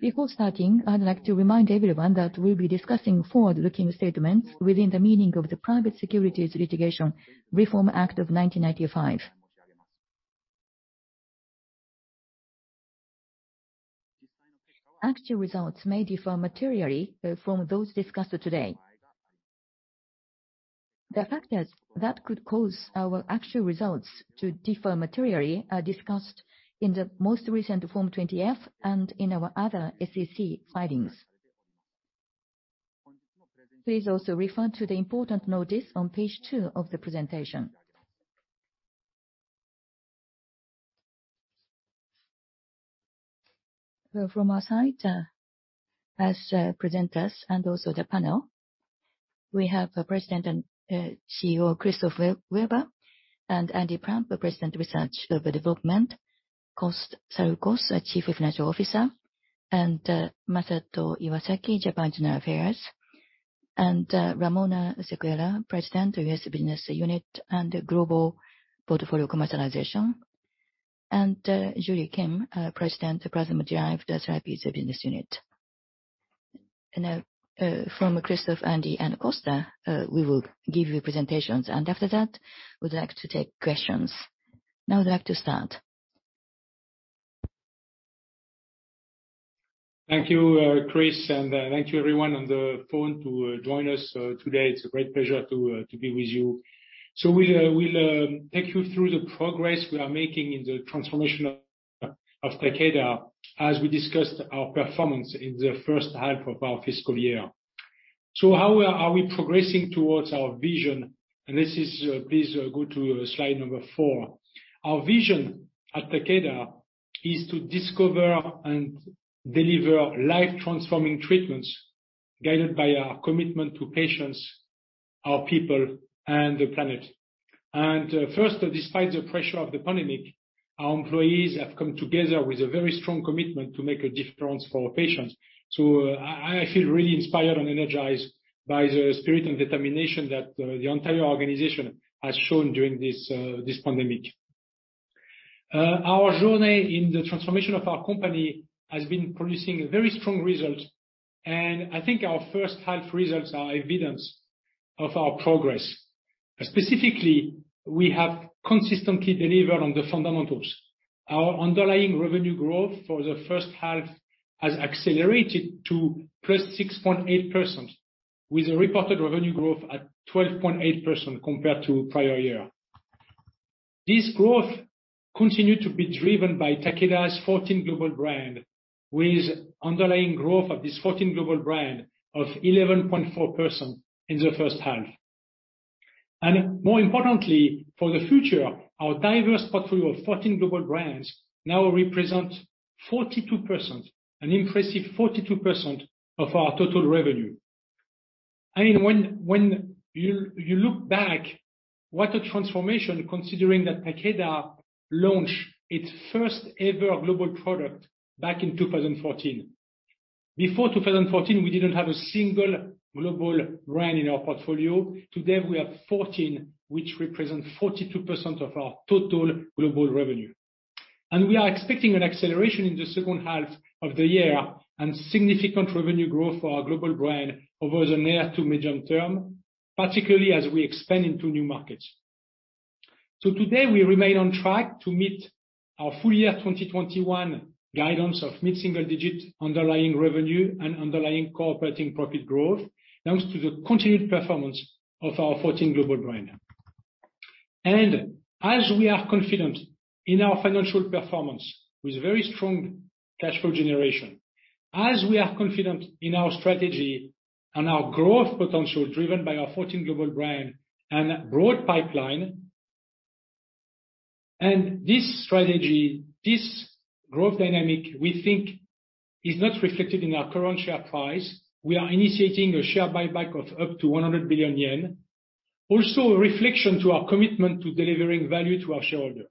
Before starting, I'd like to remind everyone that we'll be discussing forward-looking statements within the meaning of the Private Securities Litigation Reform Act of 1995. Actual results may differ materially from those discussed today. The factors that could cause our actual results to differ materially are discussed in the most recent Form 20-F and in our other SEC filings. Please also refer to the important notice on page two of the presentation. From our side, as presenters and also the panel, we have President and CEO, Christophe Weber, and Andy Plump, President, Research and Development. Costa Saroukos, Chief Financial Officer, and Masato Iwasaki, Japan General Affairs, and Ramona Sequeira, President, US Business Unit and Global Portfolio Commercialization, and Julie Kim, President, Plasma-Derived Therapies Business Unit. From Christophe, Andy, and Costa, we will give you presentations, and after that, we'd like to take questions. Now I'd like to start. Thank you, Chris, and thank you everyone on the phone to join us today. It's a great pleasure to be with you. We'll take you through the progress we are making in the transformation of Takeda as we discuss our performance in the first half of our fiscal year. How are we progressing towards our vision? This is, please, go to slide number four. Our vision at Takeda is to discover and deliver life-transforming treatments guided by our commitment to patients, our people, and the planet. First, despite the pressure of the pandemic, our employees have come together with a very strong commitment to make a difference for our patients. I feel really inspired and energized by the spirit and determination that the entire organization has shown during this pandemic. Our journey in the transformation of our company has been producing very strong results, and I think our first half results are evidence of our progress. Specifically, we have consistently delivered on the fundamentals. Our underlying revenue growth for the first half has accelerated to +6.8%, with a reported revenue growth at 12.8% compared to prior year. This growth continued to be driven by Takeda's 14 global brand, with underlying growth of this 14 global brand of 11.4% in the first half. More importantly, for the future, our diverse portfolio of 14 global brands now represent 42%, an impressive 42% of our total revenue. I mean, when you look back, what a transformation, considering that Takeda launched its first ever global product back in 2014. Before 2014, we didn't have a single global brand in our portfolio. Today, we have 14, which represent 42% of our total global revenue. We are expecting an acceleration in the second half of the year and significant revenue growth for our global brand over the near to medium term, particularly as we expand into new markets. Today, we remain on track to meet our full year 2021 guidance of mid-single-digit underlying revenue and underlying operating profit growth, thanks to the continued performance of our 14 global brands. As we are confident in our financial performance with very strong cash flow generation, as we are confident in our strategy and our growth potential driven by our 14 global brand and broad pipeline, and this strategy, this growth dynamic, we think is not reflected in our current share price. We are initiating a share buyback of up to 100 billion yen. Also a reflection to our commitment to delivering value to our shareholder.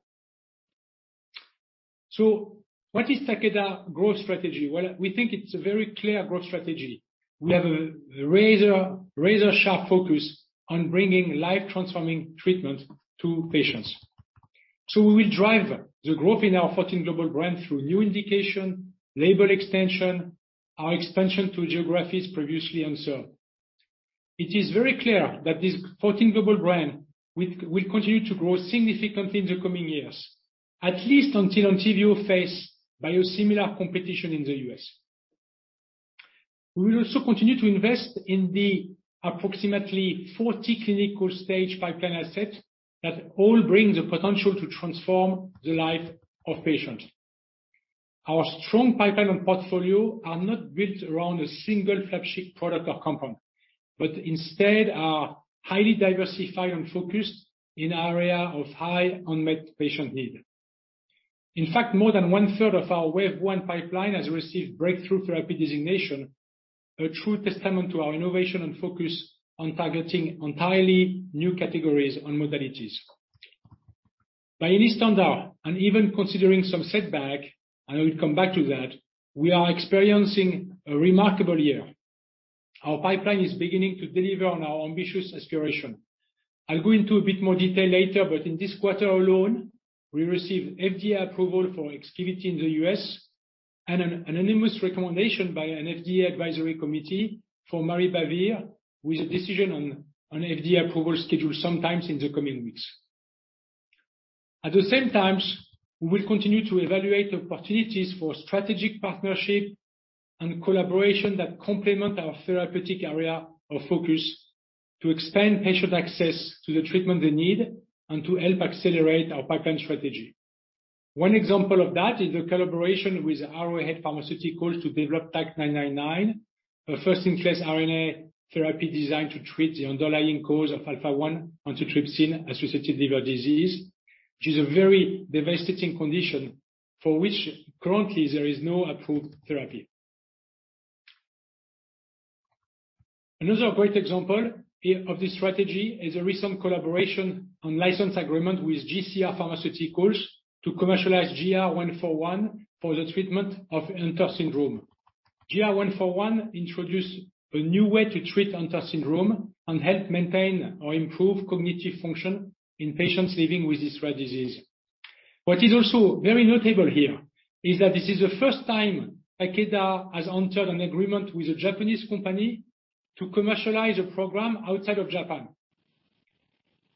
What is Takeda's growth strategy? Well, we think it's a very clear growth strategy. We have a razor-sharp focus on bringing life-transforming treatment to patients. We will drive the growth in our 14 global brand through new indication, label extension, our expansion to geographies previously unserved. It is very clear that these 14 global brands will continue to grow significantly in the coming years, at least until ENTYVIO faces biosimilar competition in the U.S. We will also continue to invest in the approximately 40 clinical stage pipeline assets that all bring the potential to transform the life of patients. Our strong pipeline and portfolio are not built around a single flagship product or compound, but instead are highly diversified and focused in area of high unmet patient need. In fact, more than 1/3 of our Wave 1 pipeline has received Breakthrough Therapy designation, a true testament to our innovation and focus on targeting entirely new categories and modalities. By any standard, and even considering some setback, and I will come back to that, we are experiencing a remarkable year. Our pipeline is beginning to deliver on our ambitious aspiration. I'll go into a bit more detail later, but in this quarter alone, we received FDA approval for EXKIVITY in the U.S. and an unanimous recommendation by an FDA advisory committee for maribavir, with a decision on FDA approval scheduled sometime in the coming weeks. At the same time, we will continue to evaluate opportunities for strategic partnership and collaboration that complement our therapeutic area of focus to expand patient access to the treatment they need and to help accelerate our pipeline strategy. One example of that is the collaboration with Arrowhead Pharmaceuticals to develop TAK-999, a first-in-class RNA therapy designed to treat the underlying cause of alpha-1 antitrypsin-associated liver disease, which is a very devastating condition for which currently there is no approved therapy. Another great example of this strategy is a recent collaboration on license agreement with JCR Pharmaceuticals to commercialize JR-141 for the treatment of Hunter syndrome. JR-141 introduced a new way to treat Hunter syndrome and help maintain or improve cognitive function in patients living with this rare disease. What is also very notable here is that this is the first time Takeda has entered an agreement with a Japanese company to commercialize a program outside of Japan.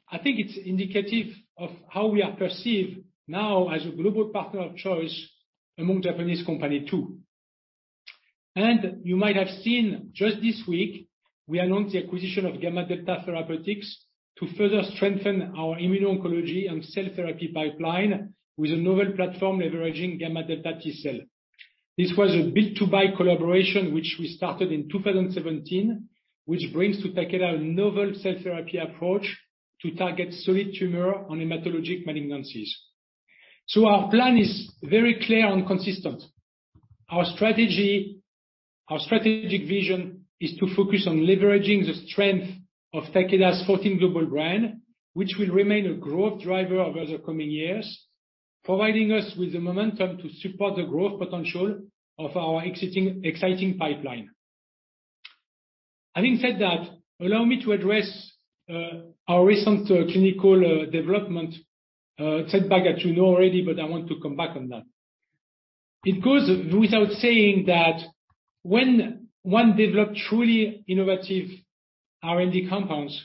I think it's indicative of how we are perceived now as a global partner of choice among Japanese companies too. You might have seen just this week we announced the acquisition of GammaDelta Therapeutics to further strengthen our immuno-oncology and cell therapy pipeline with a novel platform leveraging gamma delta T-cell. This was a build-to-buy collaboration, which we started in 2017, which brings to Takeda a novel cell therapy approach to target solid tumors and hematologic malignancies. Our plan is very clear and consistent. Our strategic vision is to focus on leveraging the strength of Takeda's 14 global brands, which will remain a growth driver over the coming years, providing us with the momentum to support the growth potential of our exciting pipeline. Having said that, allow me to address our recent clinical development setback that you know already, but I want to come back on that. It goes without saying that when one develop truly innovative R&D compounds,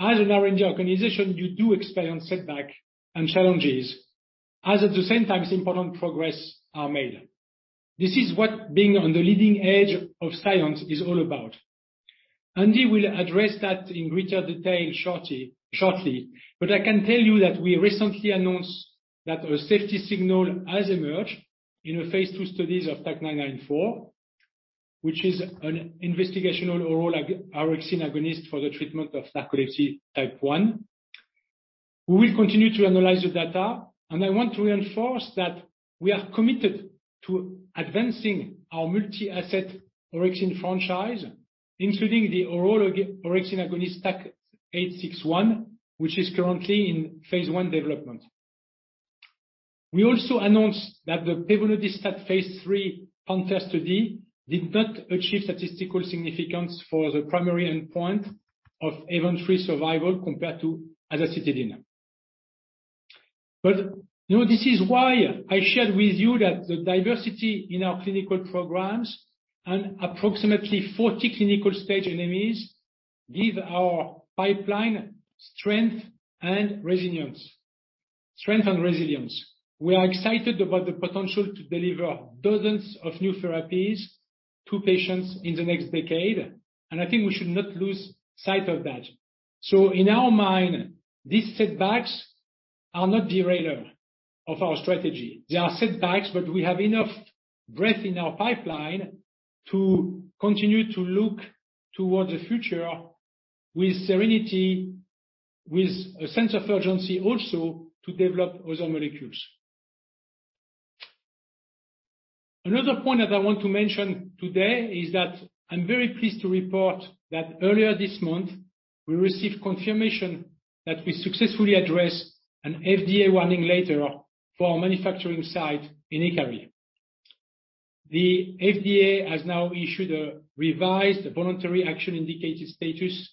as an R&D organization, you do experience setback and challenges as at the same time as important progress are made. This is what being on the leading edge of science is all about. Andy will address that in greater detail shortly. You know, I can tell you that we recently announced that a safety signal has emerged in the phase II studies of TAK-994, which is an investigational oral orexin agonist for the treatment of narcolepsy type 1. We will continue to analyze the data, and I want to reinforce that we are committed to advancing our multi-asset orexin franchise, including the oral orexin agonist TAK-861, which is currently in phase I development. We also announced that the pevonedistat phase III PANTHER study did not achieve statistical significance for the primary endpoint of event-free survival compared to azacitidine. You know, this is why I shared with you that the diversity in our clinical programs and approximately 40 clinical-stage NMEs give our pipeline strength and resilience. Strength and resilience. We are excited about the potential to deliver dozens of new therapies to patients in the next decade, and I think we should not lose sight of that. In our mind, these setbacks are not derailing of our strategy. They are setbacks, but we have enough breadth in our pipeline to continue to look towards the future with serenity, with a sense of urgency also to develop other molecules. Another point that I want to mention today is that I'm very pleased to report that earlier this month, we received confirmation that we successfully addressed an FDA warning letter for our manufacturing site in Hikari. The FDA has now issued a revised voluntary action indicated status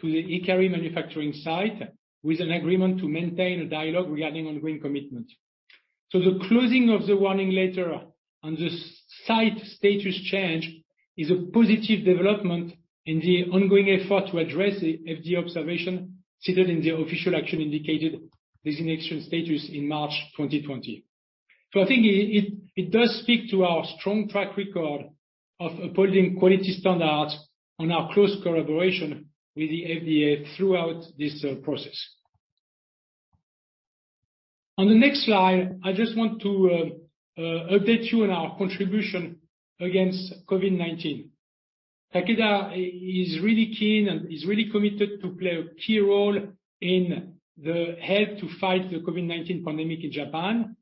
to the Hikari manufacturing site with an agreement to maintain a dialogue regarding ongoing commitment. The closing of the warning letter and the site status change is a positive development in the ongoing effort to address the FDA observation stated in the official action indicated designation status in March 2020. I think it does speak to our strong track record of upholding quality standards and our close collaboration with the FDA throughout this process. On the next slide, I just want to update you on our contribution against COVID-19. Takeda is really keen and is really committed to play a key role in the help to fight the COVID-19 pandemic in Japan.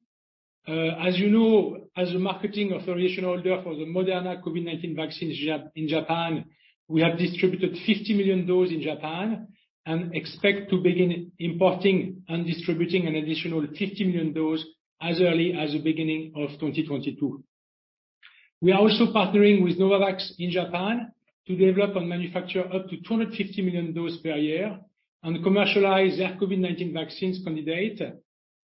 As you know, as a marketing authorization holder for the Moderna COVID-19 vaccine in Japan, we have distributed 50 million doses in Japan. We expect to begin importing and distributing an additional 50 million doses as early as the beginning of 2022. We are also partnering with Novavax in Japan to develop and manufacture up to 250 million dose per year and commercialize their COVID-19 vaccine candidate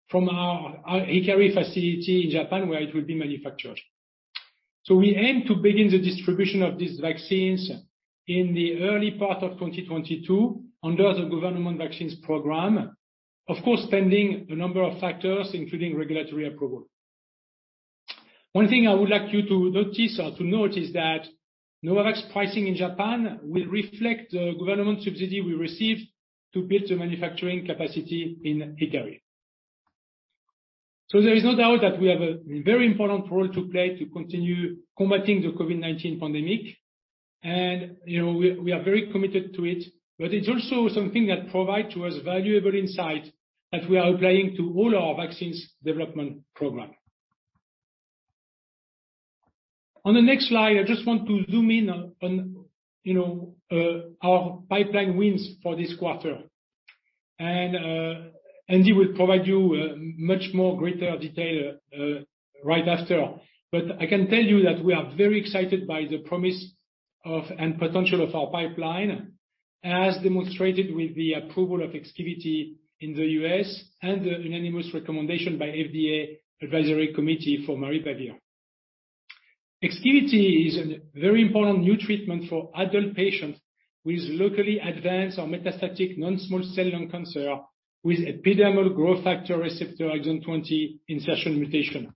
from our Hikari facility in Japan, where it will be manufactured. We aim to begin the distribution of these vaccines in the early part of 2022 under the government vaccines program. Of course, pending a number of factors, including regulatory approval. One thing I would like you to notice or to note is that Novavax pricing in Japan will reflect the government subsidy we received to build the manufacturing capacity in Hikari. There is no doubt that we have a very important role to play to continue combating the COVID-19 pandemic. You know, we are very committed to it, but it's also something that provide to us valuable insight that we are applying to all our vaccines development program. On the next slide, I just want to zoom in on, you know, our pipeline wins for this quarter. Andy will provide you much more greater detail right after. I can tell you that we are very excited by the promise of and potential of our pipeline, as demonstrated with the approval of EXKIVITY in the U.S. and the unanimous recommendation by FDA advisory committee for maribavir. EXKIVITY is a very important new treatment for adult patients with locally advanced or metastatic non-small cell lung cancer with epidermal growth factor receptor exon 20 insertion mutation.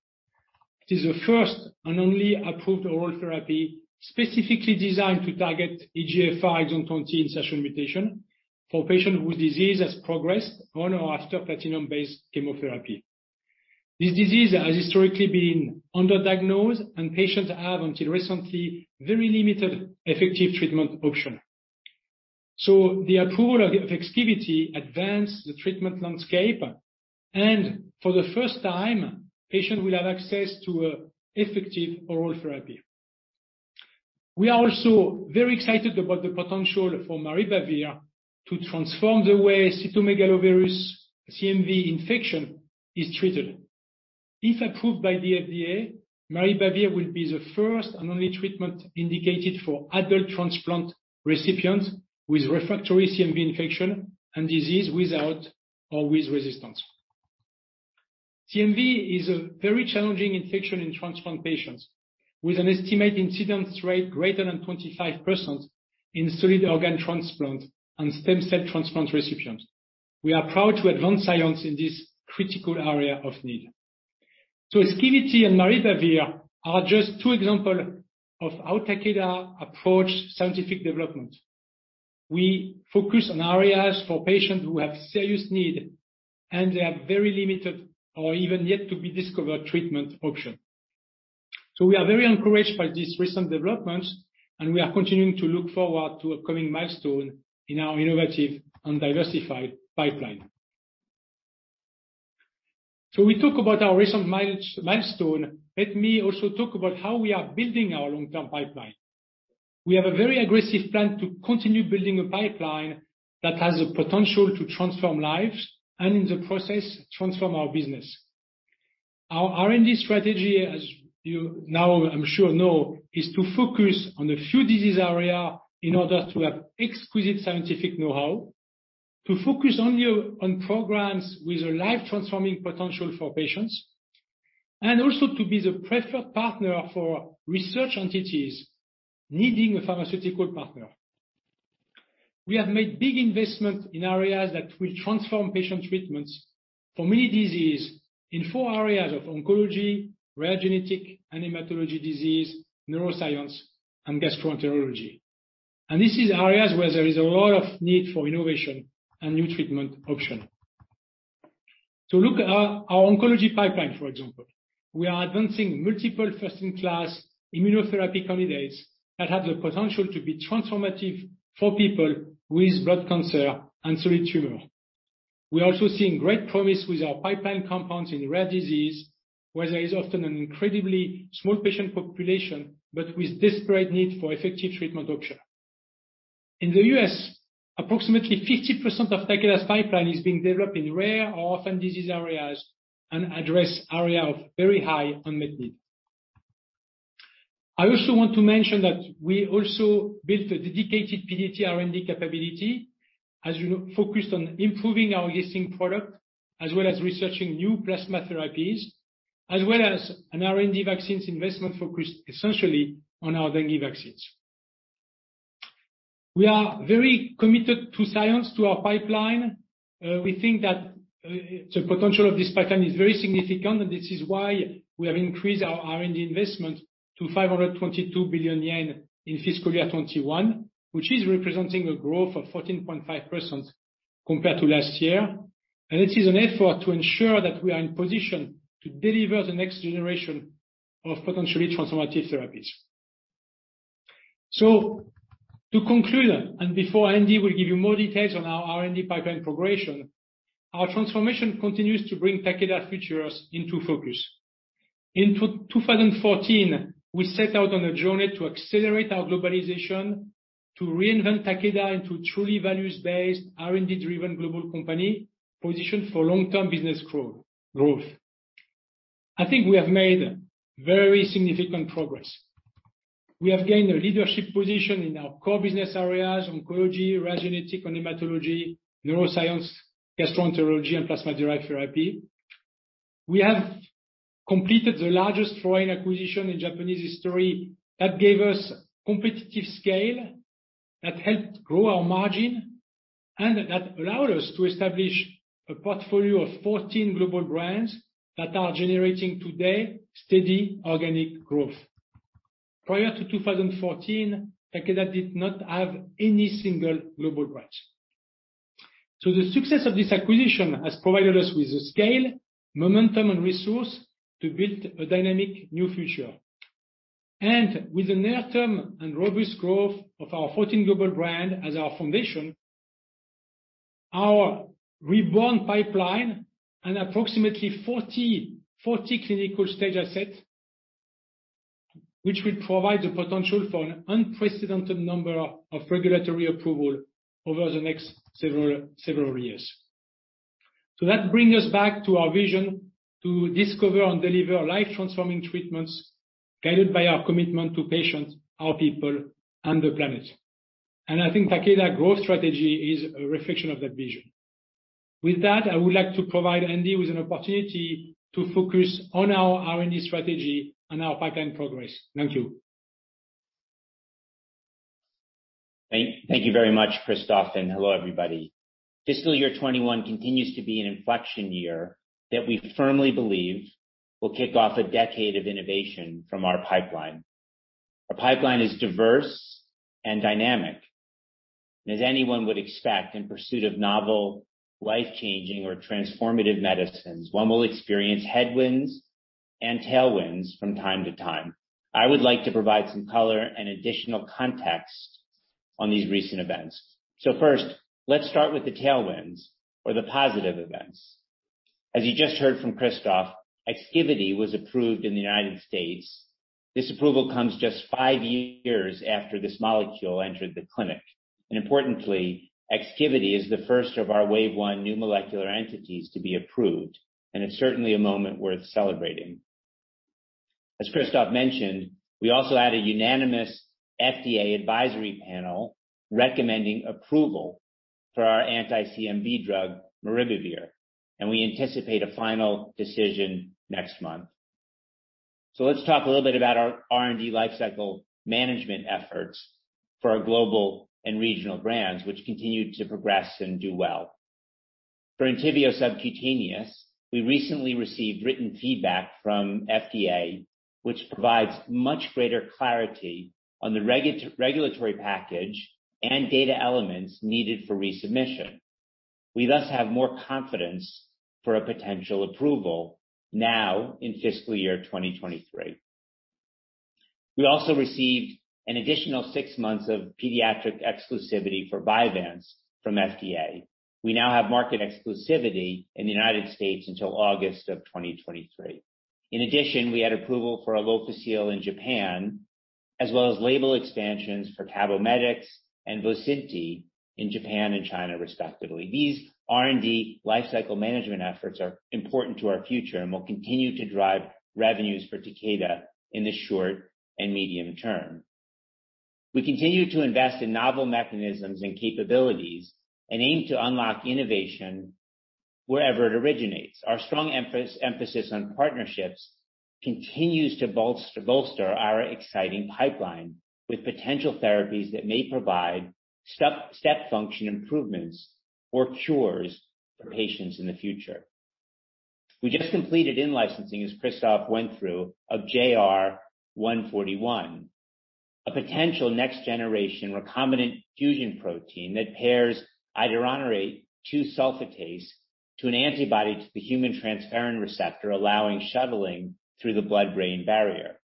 It is the first and only approved oral therapy specifically designed to target EGFR exon 20 insertion mutation for patients whose disease has progressed on or after platinum-based chemotherapy. This disease has historically been underdiagnosed, and patients have, until recently, very limited effective treatment option. The approval of EXKIVITY advanced the treatment landscape, and for the first time, patients will have access to an effective oral therapy. We are also very excited about the potential for maribavir to transform the way cytomegalovirus, CMV infection is treated. If approved by the FDA, maribavir will be the first and only treatment indicated for adult transplant recipients with refractory CMV infection and disease with or without resistance. CMV is a very challenging infection in transplant patients with an estimated incidence rate greater than 25% in solid organ transplant and stem cell transplant recipients. We are proud to advance science in this critical area of need. EXKIVITY and maribavir are just two example of how Takeda approach scientific development. We focus on areas for patients who have serious need and have very limited or even yet to be discovered treatment option. We are very encouraged by this recent developments, and we are continuing to look forward to upcoming milestone in our innovative and diversified pipeline. We talk about our recent milestone. Let me also talk about how we are building our long-term pipeline. We have a very aggressive plan to continue building a pipeline that has the potential to transform lives and, in the process, transform our business. Our R&D strategy, as you know, I'm sure you know, is to focus on a few disease areas in order to have exquisite scientific know-how, to focus only on programs with a life-transforming potential for patients, and also to be the preferred partner for research entities needing a pharmaceutical partner. We have made big investments in areas that will transform patient treatments for many diseases in four areas of oncology, rare genetic and hematology diseases, neuroscience, and gastroenterology. This is areas where there is a lot of need for innovation and new treatment options. Look at our oncology pipeline, for example. We are advancing multiple first-in-class immunotherapy candidates that have the potential to be transformative for people with blood cancer and solid tumors. We are also seeing great promise with our pipeline compounds in rare disease, where there is often an incredibly small patient population, but with desperate need for effective treatment option. In the U.S., approximately 50% of Takeda's pipeline is being developed in rare or orphan disease areas and addresses areas of very high unmet need. I also want to mention that we also built a dedicated PDT R&D capability, as you know, focused on improving our existing product as well as researching new plasma therapies, as well as an R&D vaccines investment focused essentially on our dengue vaccines. We are very committed to science, to our pipeline. We think that the potential of this pipeline is very significant, and this is why we have increased our R&D investment to 522 billion yen in fiscal year 2021, which is representing a growth of 14.5% compared to last year. This is an effort to ensure that we are in position to deliver the next generation of potentially transformative therapies. To conclude, and before Andy will give you more details on our R&D pipeline progression, our transformation continues to bring Takeda's futures into focus. In 2014, we set out on a journey to accelerate our globalization to reinvent Takeda into a truly values-based, R&D-driven global company positioned for long-term business growth. I think we have made very significant progress. We have gained a leadership position in our core business areas oncology, rare genetic hematology, neuroscience, gastroenterology, and plasma-derived therapy. We have completed the largest foreign acquisition in Japanese history that gave us competitive scale that helped grow our margin, and that allowed us to establish a portfolio of 14 global brands that are generating today steady organic growth. Prior to 2014, Takeda did not have any single global brands. The success of this acquisition has provided us with the scale, momentum, and resource to build a dynamic new future. With the near term and robust growth of our 14 global brand as our foundation, our reborn pipeline and approximately 40 clinical-stage assets, which will provide the potential for an unprecedented number of regulatory approval over the next several years. That brings us back to our vision to discover and deliver life-transforming treatments guided by our commitment to patients, our people, and the planet. I think Takeda growth strategy is a reflection of that vision. With that, I would like to provide Andy with an opportunity to focus on our R&D strategy and our pipeline progress. Thank you. Thank you very much, Christophe, and hello, everybody. Fiscal year 2021 continues to be an inflection year that we firmly believe will kick off a decade of innovation from our pipeline. Our pipeline is diverse and dynamic. As anyone would expect in pursuit of novel life-changing or transformative medicines, one will experience headwinds and tailwinds from time to time. I would like to provide some color and additional context on these recent events. First, let's start with the tailwinds or the positive events. As you just heard from Christophe, EXKIVITY was approved in the United States, this approval comes just five years after this molecule entered the clinic. Importantly, EXKIVITY is the first of our Wave 1 new molecular entities to be approved, and it's certainly a moment worth celebrating. As Christophe mentioned, we also had a unanimous FDA advisory panel recommending approval for our anti-CMV drug, maribavir, and we anticipate a final decision next month. Let's talk a little bit about our R&D lifecycle management efforts for our global and regional brands, which continue to progress and do well. For ENTYVIO subcutaneous, we recently received written feedback from FDA, which provides much greater clarity on the regulatory package and data elements needed for resubmission. We thus have more confidence for a potential approval now in fiscal year 2023. We also received an additional six months of pediatric exclusivity for Vyvanse from FDA. We now have market exclusivity in the United States until August 2023. In addition, we had approval for Alofisel in Japan, as well as label expansions for CABOMETYX and VOCINTI in Japan and China, respectively. These R&D lifecycle management efforts are important to our future and will continue to drive revenues for Takeda in the short and medium term. We continue to invest in novel mechanisms and capabilities and aim to unlock innovation wherever it originates. Our strong emphasis on partnerships continues to bolster our exciting pipeline with potential therapies that may provide step function improvements or cures for patients in the future. We just completed in-licensing, as Christophe went through, of JR-141, a potential next generation recombinant fusion protein that pairs iduronate 2-sulfatase to an antibody to the human transferrin receptor, allowing shuttling through the blood-brain barrier.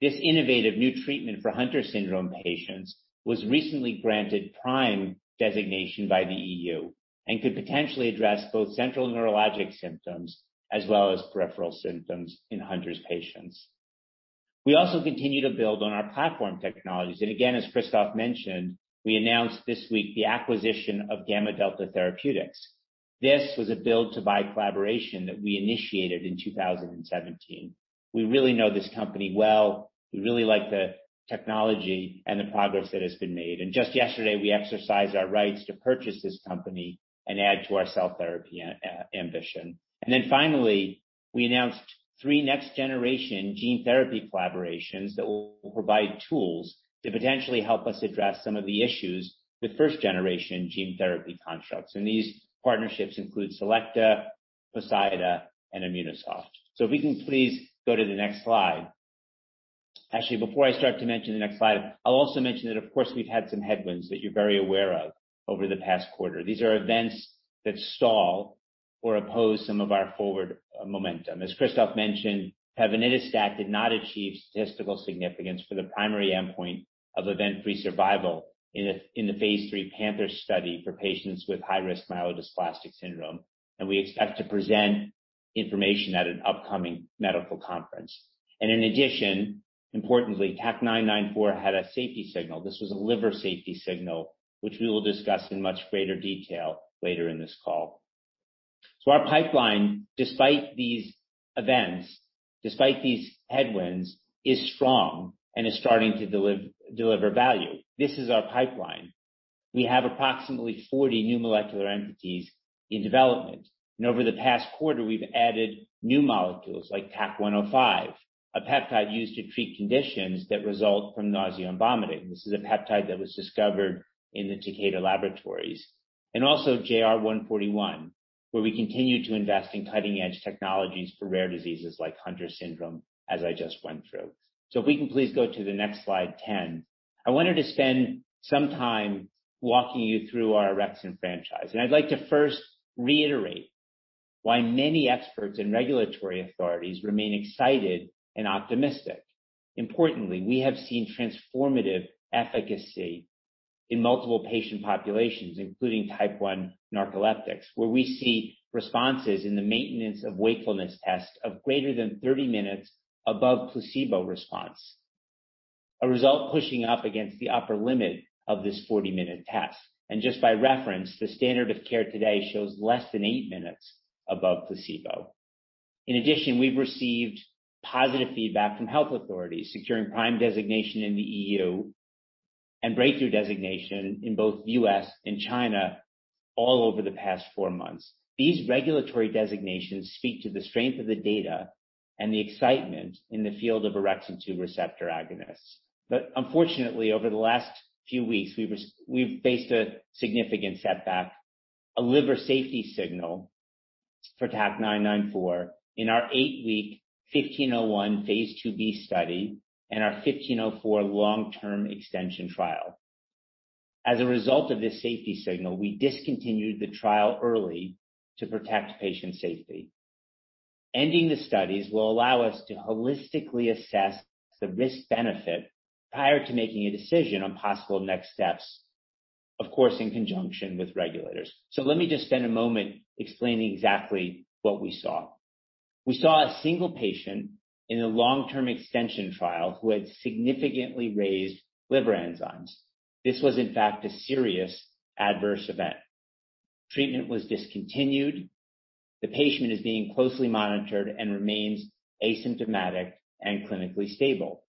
This innovative new treatment for Hunter syndrome patients was recently granted PRIME designation by the EU and could potentially address both central neurologic symptoms as well as peripheral symptoms in Hunter syndrome patients. We also continue to build on our platform technologies. Again, as Christophe mentioned, we announced this week the acquisition of GammaDelta Therapeutics. This was a build-to-buy collaboration that we initiated in 2017. We really know this company well. We really like the technology and the progress that has been made. Just yesterday, we exercised our rights to purchase this company and add to our cell therapy ambition. Then finally, we announced three next-generation gene therapy collaborations that will provide tools to potentially help us address some of the issues with first-generation gene therapy constructs. These partnerships include Selecta, Poseida, and Immusoft. If we can please go to the next slide. Actually, before I start to mention the next slide, I'll also mention that, of course, we've had some headwinds that you're very aware of over the past quarter. These are events that stall or oppose some of our forward momentum. As Christophe mentioned, pevonedistat did not achieve statistical significance for the primary endpoint of event-free survival in the phase III PANTHER study for patients with high-risk myelodysplastic syndrome. We expect to present information at an upcoming medical conference. In addition, importantly, TAK-994 had a safety signal. This was a liver safety signal, which we will discuss in much greater detail later in this call. Our pipeline, despite these events, despite these headwinds, is strong and is starting to deliver value. This is our pipeline. We have approximately 40 new molecular entities in development. Over the past quarter we've added new molecules like TAK-105, a peptide used to treat conditions that result from nausea and vomiting. This is a peptide that was discovered in the Takeda laboratories. Also JR-141, where we continue to invest in cutting edge technologies for rare diseases like Hunter syndrome, as I just went through. If we can please go to the next slide 10. I wanted to spend some time walking you through our orexin franchise, and I'd like to first reiterate why many experts and regulatory authorities remain excited and optimistic. Importantly, we have seen transformative efficacy in multiple patient populations, including type 1 narcoleptics, where we see responses in the maintenance of wakefulness tests of greater than 30 minutes above placebo response, a result pushing up against the upper limit of this 40-minute test. Just by reference, the standard of care today shows less than eight minutes above placebo. In addition, we've received positive feedback from health authorities securing PRIME designation in the EU and Breakthrough Therapy designation in both U.S. and China all over the past four months. These regulatory designations speak to the strength of the data and the excitement in the field of orexin-2 receptor agonists. Unfortunately, over the last few weeks, we've faced a significant setback, a liver safety signal for TAK-994 in our eight-week 1501 phase II-B study and our 1504 long-term extension trial. As a result of this safety signal, we discontinued the trial early to protect patient safety. Ending the studies will allow us to holistically assess the risk-benefit prior to making a decision on possible next steps, of course, in conjunction with regulators. Let me just spend a moment explaining exactly what we saw. We saw a single patient in a long-term extension trial who had significantly raised liver enzymes. This was in fact a serious adverse event. Treatment was discontinued. The patient is being closely monitored and remains asymptomatic and clinically stable.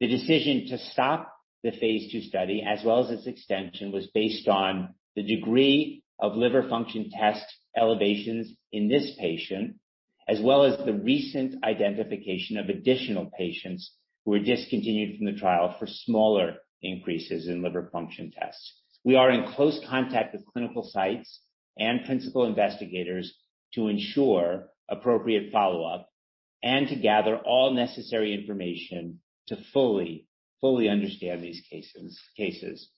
The decision to stop the phase II study, as well as its extension, was based on the degree of liver function test elevations in this patient, as well as the recent identification of additional patients who were discontinued from the trial for smaller increases in liver function tests. We are in close contact with clinical sites and principal investigators to ensure appropriate follow-up and to gather all necessary information to fully understand these cases.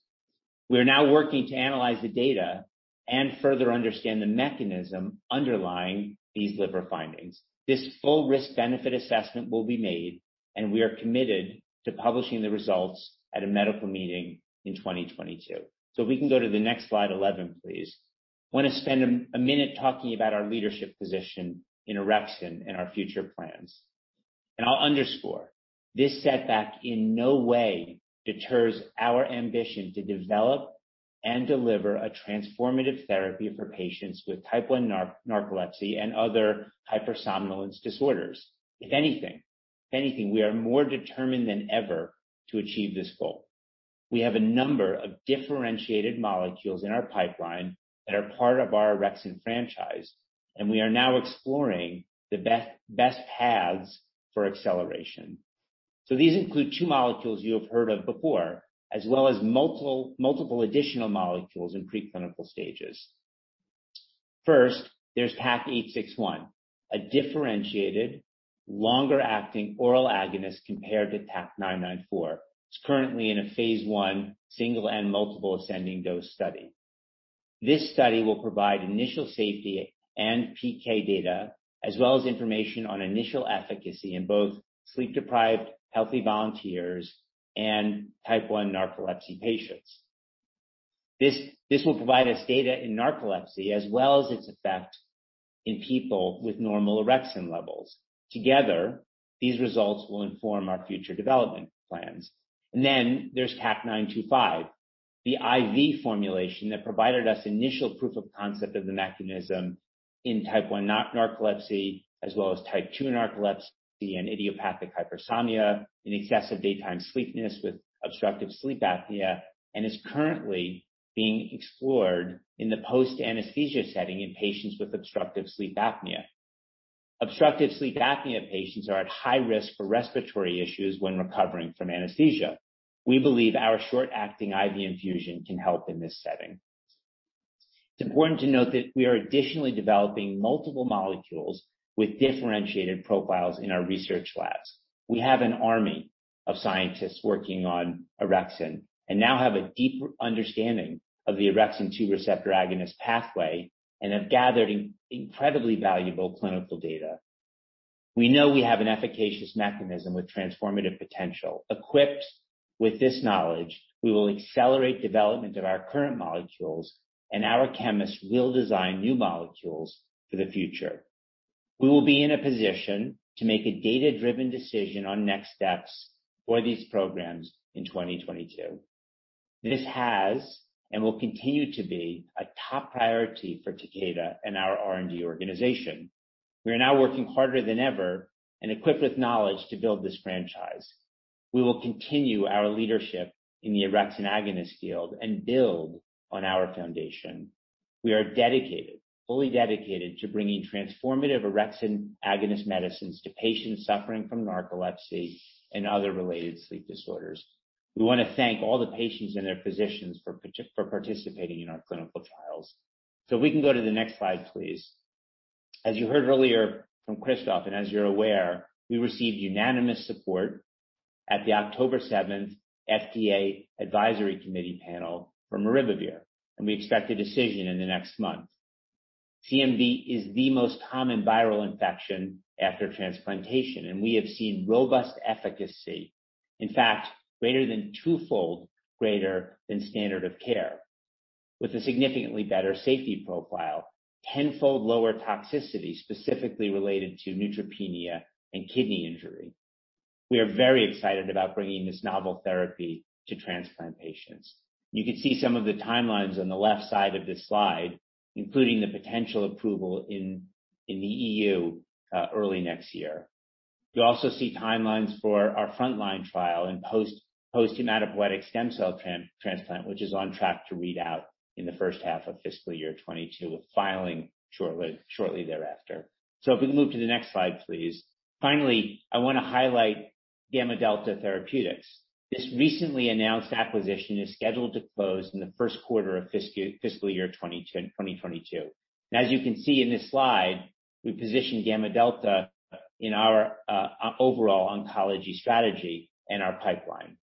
We are now working to analyze the data and further understand the mechanism underlying these liver findings. This full risk benefit assessment will be made, and we are committed to publishing the results at a medical meeting in 2022. We can go to the next slide 11, please. I want to spend a minute talking about our leadership position in orexin and our future plans. I'll underscore, this setback in no way deters our ambition to develop and deliver a transformative therapy for patients with type 1 narcolepsy and other hypersomnolence disorders. If anything, we are more determined than ever to achieve this goal. We have a number of differentiated molecules in our pipeline that are part of our orexin franchise, and we are now exploring the best paths for acceleration. These include two molecules you have heard of before, as well as multiple additional molecules in preclinical stages. First, there's TAK-861, a differentiated longer-acting oral agonist compared to TAK-994. It's currently in a phase I single and multiple ascending dose study. This study will provide initial safety and PK data, as well as information on initial efficacy in both sleep-deprived healthy volunteers and type 1 narcolepsy patients. This will provide us data in narcolepsy as well as its effect in people with normal orexin levels. Together, these results will inform our future development plans. There's TAK-925, the IV formulation that provided us initial proof of concept of the mechanism in type 1 narcolepsy, as well as type 2 narcolepsy and idiopathic hypersomnia in excessive daytime sleepiness with obstructive sleep apnea, and is currently being explored in the post-anesthesia setting in patients with obstructive sleep apnea. Obstructive sleep apnea patients are at high risk for respiratory issues when recovering from anesthesia. We believe our short-acting IV infusion can help in this setting. It's important to note that we are additionally developing multiple molecules with differentiated profiles in our research labs. We have an army of scientists working on orexin and now have a deeper understanding of the orexin-2 receptor agonist pathway and have gathered incredibly valuable clinical data. We know we have an efficacious mechanism with transformative potential. Equipped with this knowledge, we will accelerate development of our current molecules, and our chemists will design new molecules for the future. We will be in a position to make a data-driven decision on next steps for these programs in 2022. This has and will continue to be a top priority for Takeda and our R&D organization. We are now working harder than ever and equipped with knowledge to build this franchise. We will continue our leadership in the orexin agonist field and build on our foundation. We are dedicated, fully dedicated to bringing transformative orexin agonist medicines to patients suffering from narcolepsy and other related sleep disorders. We wanna thank all the patients and their physicians for participating in our clinical trials. We can go to the next slide, please. As you heard earlier from Christophe, and as you're aware, we received unanimous support at the October 7th FDA advisory committee panel for maribavir, and we expect a decision in the next month. CMV is the most common viral infection after transplantation, and we have seen robust efficacy, in fact, twofold greater than standard of care, with a significantly better safety profile, tenfold lower toxicity, specifically related to neutropenia and kidney injury. We are very excited about bringing this novel therapy to transplant patients. You can see some of the timelines on the left side of this slide, including the potential approval in the EU early next year. You also see timelines for our frontline trial and post-hematopoietic stem cell transplant, which is on track to read out in the first half of fiscal year 2022 with filing shortly thereafter. If we can move to the next slide, please. Finally, I wanna highlight GammaDelta Therapeutics. This recently announced acquisition is scheduled to close in the first quarter of fiscal year 2022. As you can see in this slide, we position GammaDelta in our overall oncology strategy and our pipeline.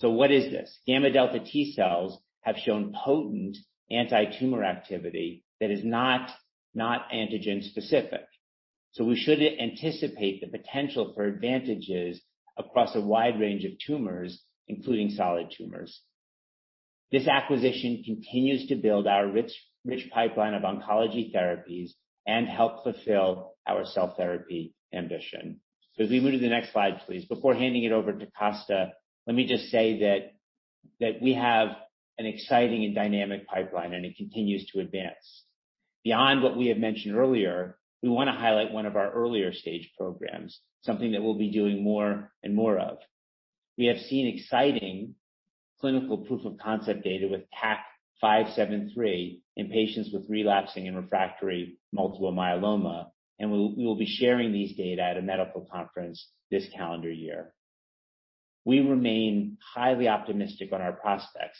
What is this? Gamma delta T cells have shown potent antitumor activity that is not antigen-specific. We should anticipate the potential for advantages across a wide range of tumors, including solid tumors. This acquisition continues to build our rich pipeline of oncology therapies and help fulfill our cell therapy ambition. As we move to the next slide, please. Before handing it over to Costa, let me just say that we have an exciting and dynamic pipeline, and it continues to advance. Beyond what we have mentioned earlier, we wanna highlight one of our earlier stage programs, something that we'll be doing more and more of. We have seen exciting clinical proof-of-concept data with TAK-573 in patients with relapsing and refractory multiple myeloma, and we will be sharing these data at a medical conference this calendar year. We remain highly optimistic on our prospects,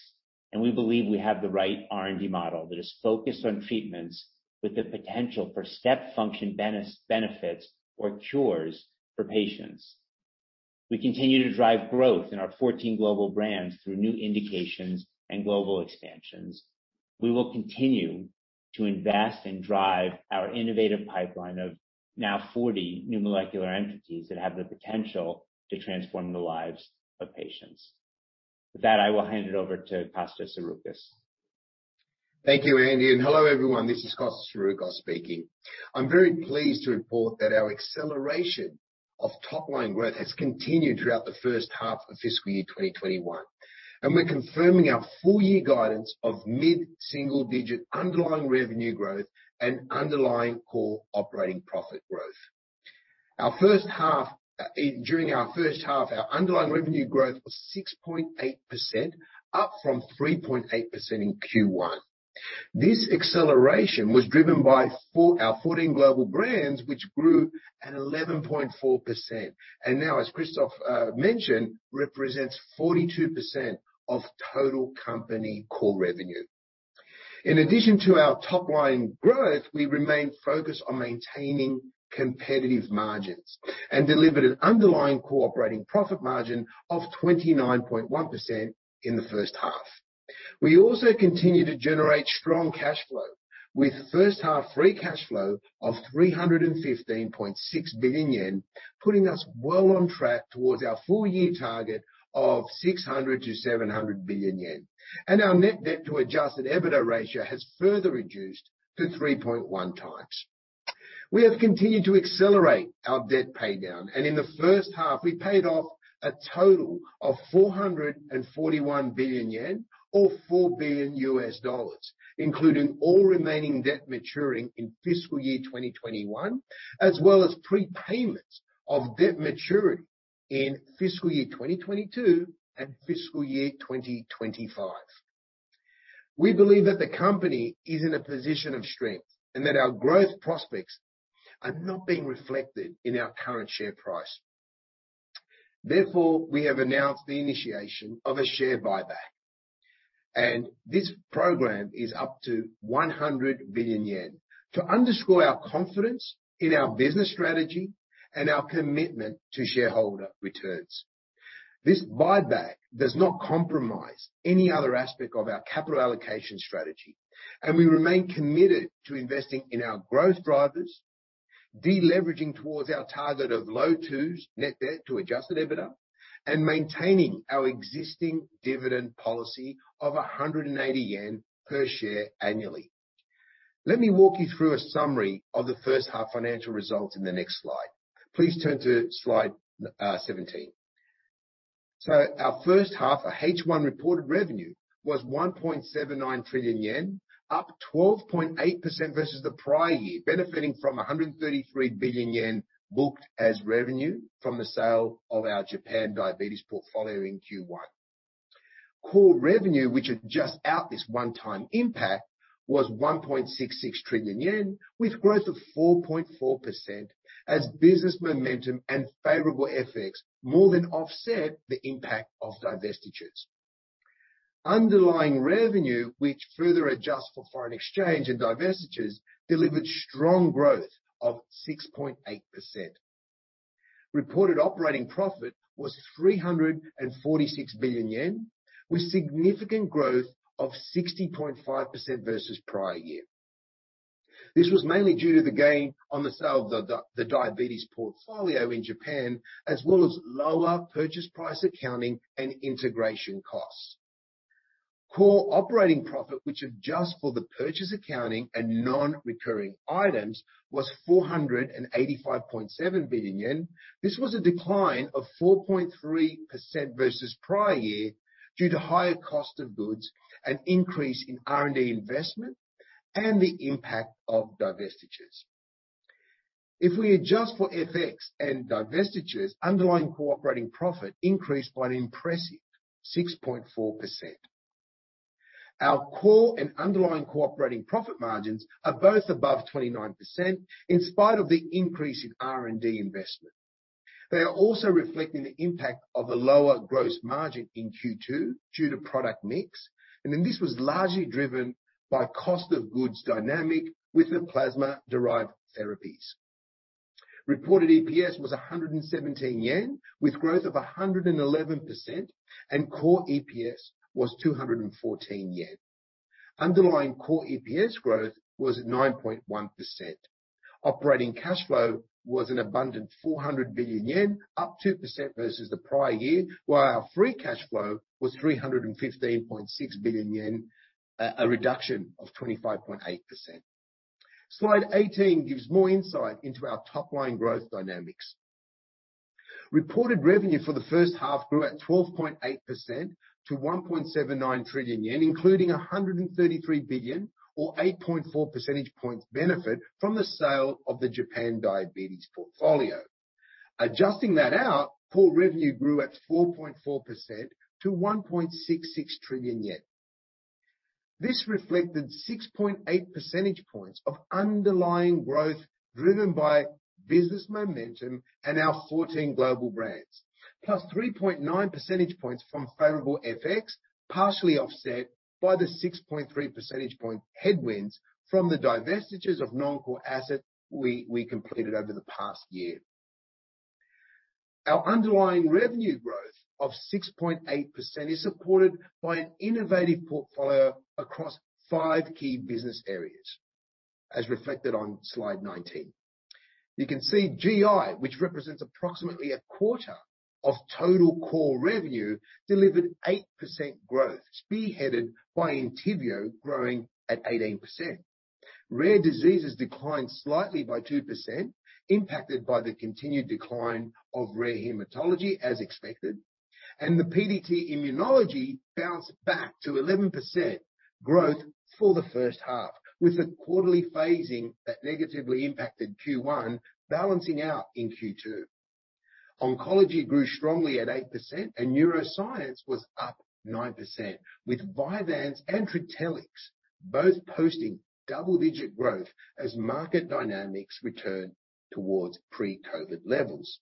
and we believe we have the right R&D model that is focused on treatments with the potential for step function benefits or cures for patients. We continue to drive growth in our 14 global brands through new indications and global expansions. We will continue to invest and drive our innovative pipeline of now 40 new molecular entities that have the potential to transform the lives of patients. With that, I will hand it over to Costa Saroukos. Thank you, Andy. Hello, everyone. This is Costa Saroukos speaking. I'm very pleased to report that our acceleration of top-line growth has continued throughout the first half of fiscal year 2021. We're confirming our full year guidance of mid-single digit underlying revenue growth and underlying core operating profit growth. During our first half, our underlying revenue growth was 6.8%, up from 3.8% in Q1. This acceleration was driven by our 14 global brands, which grew at 11.4%. Now, as Christophe mentioned, represents 42% of total company core revenue. In addition to our top-line growth, we remain focused on maintaining competitive margins and delivered an underlying core operating profit margin of 29.1% in the first half. We also continue to generate strong cash flow with first half free cash flow of 315.6 billion yen, putting us well on track towards our full year target of 600 billion-700 billion yen. Our net debt to adjusted EBITDA ratio has further reduced to 3.1x. We have continued to accelerate our debt pay down, and in the first half, we paid off a total of 441 billion yen or $4 billion, including all remaining debt maturing in fiscal year 2021, as well as prepayments of debt maturing in fiscal year 2022 and fiscal year 2025. We believe that the company is in a position of strength and that our growth prospects are not being reflected in our current share price. Therefore, we have announced the initiation of a share buyback, and this program is up to 100 billion yen to underscore our confidence in our business strategy and our commitment to shareholder returns. This buyback does not compromise any other aspect of our capital allocation strategy, and we remain committed to investing in our growth drivers, de-leveraging towards our target of low twos net debt to adjusted EBITDA, and maintaining our existing dividend policy of 180 yen per share annually. Let me walk you through a summary of the first half financial results in the next slide. Please turn to slide 17. Our first half, our H1 reported revenue was 1.79 trillion yen, up 12.8% versus the prior year, benefiting from 133 billion yen booked as revenue from the sale of our Japan diabetes portfolio in Q1. Core revenue, which adjusts out this one-time impact, was 1.66 trillion yen, with growth of 4.4% as business momentum and favorable FX more than offset the impact of divestitures. Underlying revenue, which further adjusts for foreign exchange and divestitures, delivered strong growth of 6.8%. Reported operating profit was 346 billion yen, with significant growth of 60.5% versus prior year. This was mainly due to the gain on the sale of the diabetes portfolio in Japan, as well as lower purchase price accounting and integration costs. Core operating profit, which adjusts for the purchase accounting and non-recurring items, was 485.7 billion yen. This was a decline of 4.3% versus prior year due to higher cost of goods, an increase in R&D investment, and the impact of divestitures. If we adjust for FX and divestitures, underlying core operating profit increased by an impressive 6.4%. Our core and underlying core operating profit margins are both above 29% in spite of the increase in R&D investment. They are also reflecting the impact of the lower gross margin in Q2 due to product mix. This was largely driven by cost of goods dynamic with the plasma-derived therapies. Reported EPS was 117 yen, with growth of 111%, and core EPS was 214 yen. Underlying core EPS growth was 9.1%. Operating cash flow was an abundant 400 billion yen, up 2% versus the prior year, while our free cash flow was 315.6 billion yen, a reduction of 25.8%. Slide 18 gives more insight into our top-line growth dynamics. Reported revenue for the first half grew at 12.8% to 1.79 trillion yen, including 133 billion or 8.4 percentage points benefit from the sale of the Japan diabetes portfolio. Adjusting that out, core revenue grew at 4.4% to 1.66 trillion yen. This reflected 6.8 percentage points of underlying growth driven by business momentum and our 14 global brands, plus 3.9 percentage points from favorable FX, partially offset by the 6.3 percentage point headwinds from the divestitures of non-core assets we completed over the past year. Our underlying revenue growth of 6.8% is supported by an innovative portfolio across five key business areas, as reflected on slide 19. You can see GI, which represents approximately a quarter of total core revenue, delivered 8% growth, spearheaded by ENTYVIO growing at 18%. Rare diseases declined slightly by 2%, impacted by the continued decline of rare hematology as expected. The PDT Immunology bounced back to 11% growth for the first half, with the quarterly phasing that negatively-impacted Q1 balancing out in Q2. Oncology grew strongly at 8%, and neuroscience was up 9%, with Vyvanse and Trintellix both posting double-digit growth as market dynamics return towards pre-COVID levels.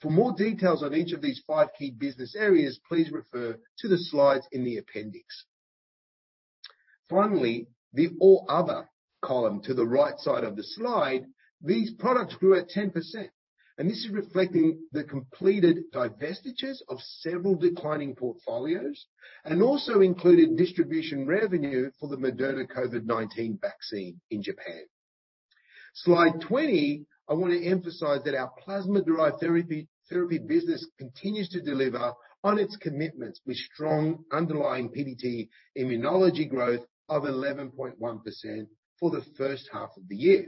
For more details on each of these five key business areas, please refer to the slides in the appendix. Finally, the all other column to the right side of the slide, these products grew at 10%, and this is reflecting the completed divestitures of several declining portfolios and also included distribution revenue for the Moderna COVID-19 vaccine in Japan. Slide 20, I want to emphasize that our plasma-derived therapy business continues to deliver on its commitments with strong underlying PDT Immunology growth of 11.1% for the first half of the year.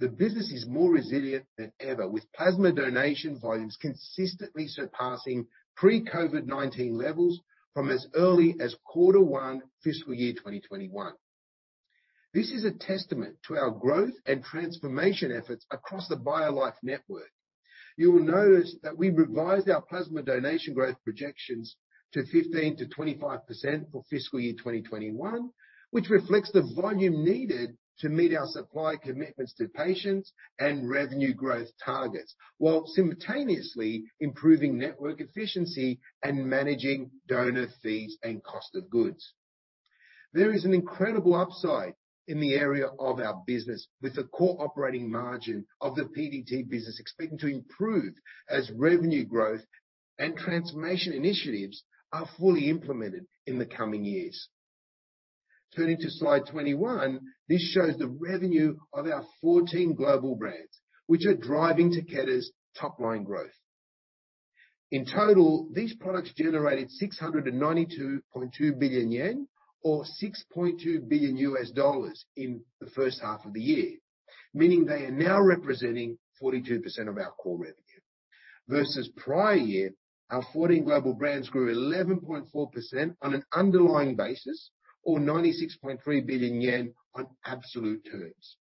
The business is more resilient than ever, with plasma donation volumes consistently surpassing pre-COVID-19 levels from as early as quarter one fiscal year 2021. This is a testament to our growth and transformation efforts across the BioLife network. You will notice that we revised our plasma donation growth projections to 15%-25% for fiscal year 2021, which reflects the volume needed to meet our supply commitments to patients and revenue growth targets, while simultaneously improving network efficiency and managing donor fees and cost of goods. There is an incredible upside in the area of our business with the core operating margin of the PDT business expecting to improve as revenue growth and transformation initiatives are fully implemented in the coming years. Turning to slide 21, this shows the revenue of our 14 global brands which are driving Takeda's top-line growth. In total, these products generated 692.2 billion yen or $6.2 billion in the first half of the year, meaning they are now representing 42% of our core revenue. Versus prior year, our 14 global brands grew 11.4% on an underlying basis or 96.3 billion yen on absolute terms.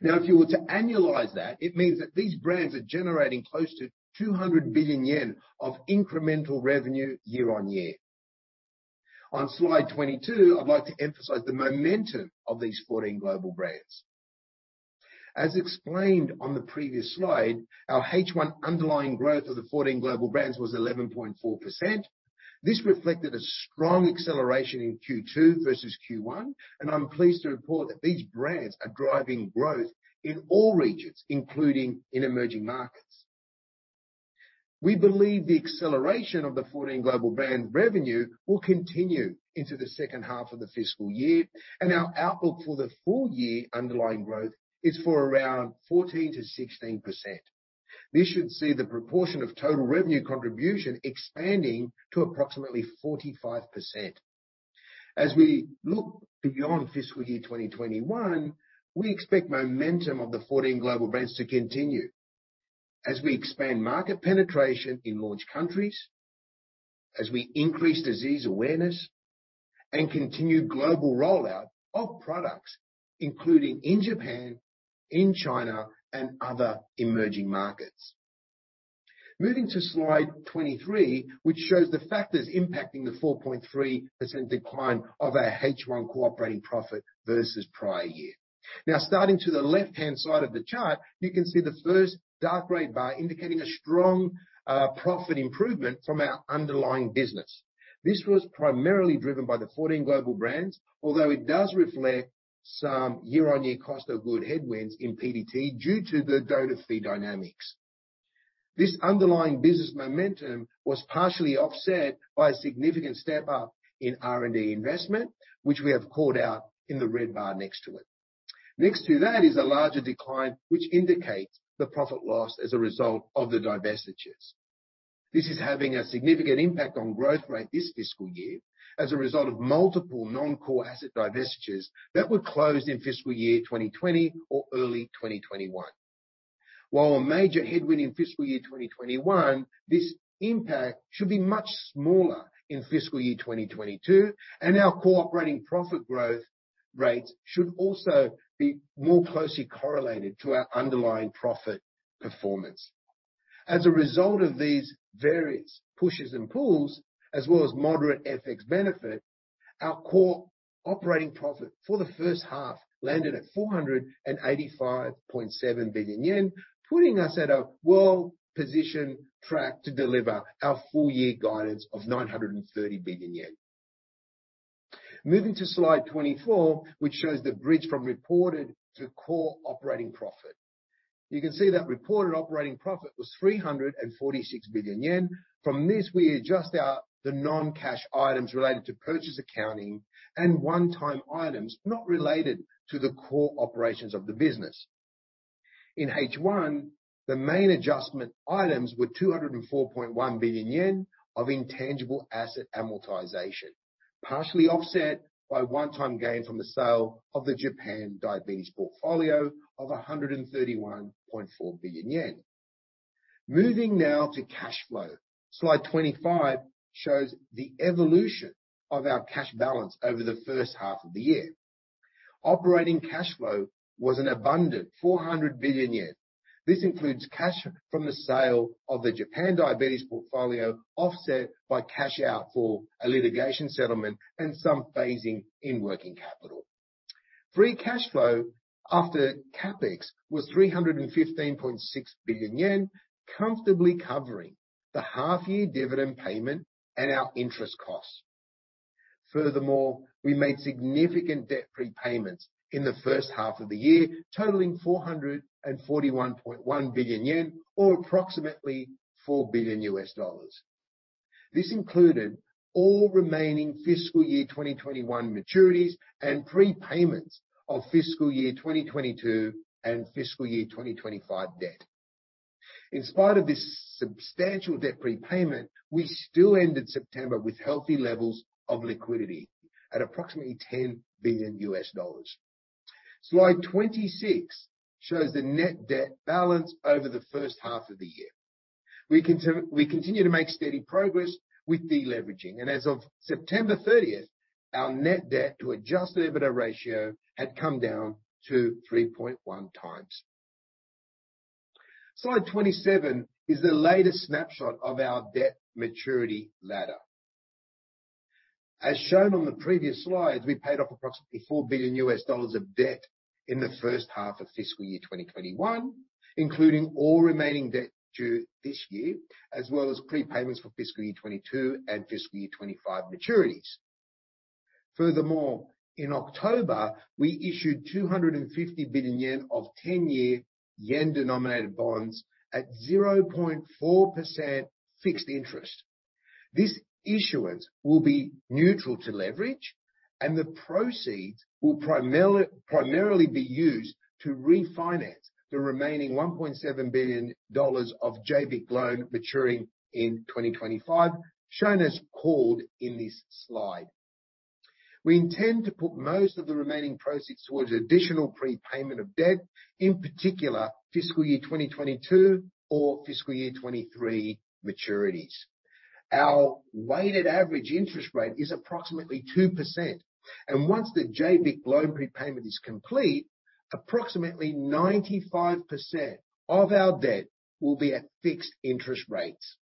Now, if you were to annualize that, it means that these brands are generating close to 200 billion yen of incremental revenue year-on-year. On slide 22, I'd like to emphasize the momentum of these 14 global brands. As explained on the previous slide, our H1 underlying growth of the 14 global brands was 11.4%. This reflected a strong acceleration in Q2 versus Q1, and I'm pleased to report that these brands are driving growth in all regions, including in emerging markets. We believe the acceleration of the 14 global brands revenue will continue into the second half of the fiscal year, and our outlook for the full year underlying growth is for around 14%-16%. This should see the proportion of total revenue contribution expanding to approximately 45%. We look beyond fiscal year 2021, we expect momentum of the 14 global brands to continue as we expand market penetration in launch countries, as we increase disease awareness and continue global rollout of products, including in Japan, in China and other emerging markets. Moving to slide 23, which shows the factors impacting the 4.3% decline of our H1 core operating profit versus prior year. Now starting to the left-hand side of the chart, you can see the first dark gray bar indicating a strong profit improvement from our underlying business. This was primarily driven by the 14 global brands, although it does reflect some year-on-year cost of goods headwinds in PDT due to the donor fee dynamics. This underlying business momentum was partially offset by a significant step up in R&D investment, which we have called out in the red bar next to it. Next to that is a larger decline, which indicates the profit loss as a result of the divestitures. This is having a significant impact on growth rate this fiscal year as a result of multiple non-core asset divestitures that were closed in fiscal year 2020 or early 2021. While a major headwind in fiscal year 2021, this impact should be much smaller in fiscal year 2022, and our core operating profit growth rates should also be more closely correlated to our underlying profit performance. As a result of these various pushes and pulls, as well as moderate FX benefit, our core operating profit for the first half landed at 485.7 billion yen, putting us at a well-positioned track to deliver our full year guidance of 930 billion yen. Moving to slide 24, which shows the bridge from reported to core operating profit. You can see that reported operating profit was 346 billion yen. From this, we adjust out the non-cash items related to purchase accounting and one-time items not related to the core operations of the business. In H1, the main adjustment items were 204.1 billion yen of intangible asset amortization, partially offset by one-time gain from the sale of the Japan diabetes portfolio of 131.4 billion yen. Moving now to cash flow. Slide 25 shows the evolution of our cash balance over the first half of the year. Operating cash flow was an abundant 400 billion yen. This includes cash from the sale of the Japan diabetes portfolio, offset by cash out for a litigation settlement and some phasing in working capital. Free cash flow after CapEx was 315.6 billion yen, comfortably covering the half year dividend payment and our interest costs. Furthermore, we made significant debt repayments in the first half of the year, totaling 441.1 billion yen or approximately $4 billion. This included all remaining fiscal year 2021 maturities and prepayments of fiscal year 2022 and fiscal year 2025 debt. In spite of this substantial debt prepayment, we still ended September with healthy levels of liquidity at approximately $10 billion. Slide 26 shows the net debt balance over the first half of the year. We continue to make steady progress with deleveraging and as of September 30th, our net debt to adjusted EBITDA ratio had come down to 3.1x. Slide 27 is the latest snapshot of our debt maturity ladder. As shown on the previous slides, we paid off approximately $4 billion of debt in the first half of fiscal year 2021, including all remaining debt due this year, as well as prepayments for fiscal year 2022 and fiscal year 2025 maturities. Furthermore, in October, we issued 250 billion yen of 10-year yen-denominated bonds at 0.4% fixed interest. This issuance will be neutral to leverage, and the proceeds will primarily be used to refinance the remaining $1.7 billion of JBIC loan maturing in 2025, shown as called in this slide. We intend to put most of the remaining proceeds towards additional prepayment of debt, in particular, fiscal year 2022 or fiscal year 2023 maturities. Our weighted average interest rate is approximately 2%. Once the JBIC loan prepayment is complete, approximately 95% of our debt will be at fixed interest rates.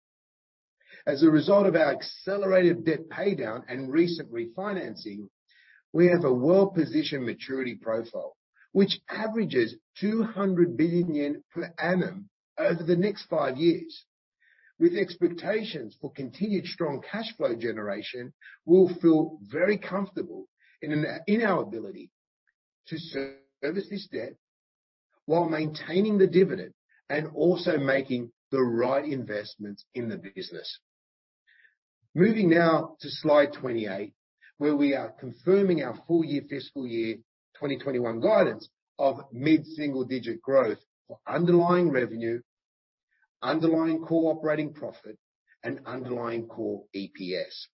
As a result of our accelerated debt paydown and recent refinancing, we have a well-positioned maturity profile, which averages 200 billion yen per annum over the next five years. With expectations for continued strong cash flow generation, we'll feel very comfortable in our ability to service this debt while maintaining the dividend and also making the right investments in the business. Moving now to slide 28, where we are confirming our full-year fiscal year 2021 guidance of mid-single-digit growth for underlying revenue, underlying core operating profit, and underlying core EPS.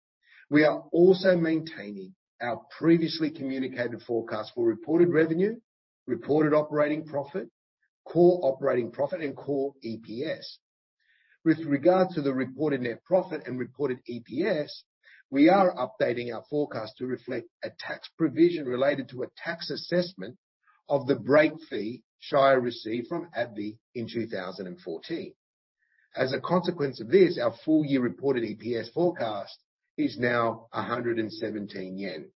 We are also maintaining our previously communicated forecast for reported revenue, reported operating profit, core operating profit, and core EPS. With regard to the reported net profit and reported EPS, we are updating our forecast to reflect a tax provision related to a tax assessment of the break fee Shire received from AbbVie in 2014. As a consequence of this, our full-year reported EPS forecast is now 117 yen.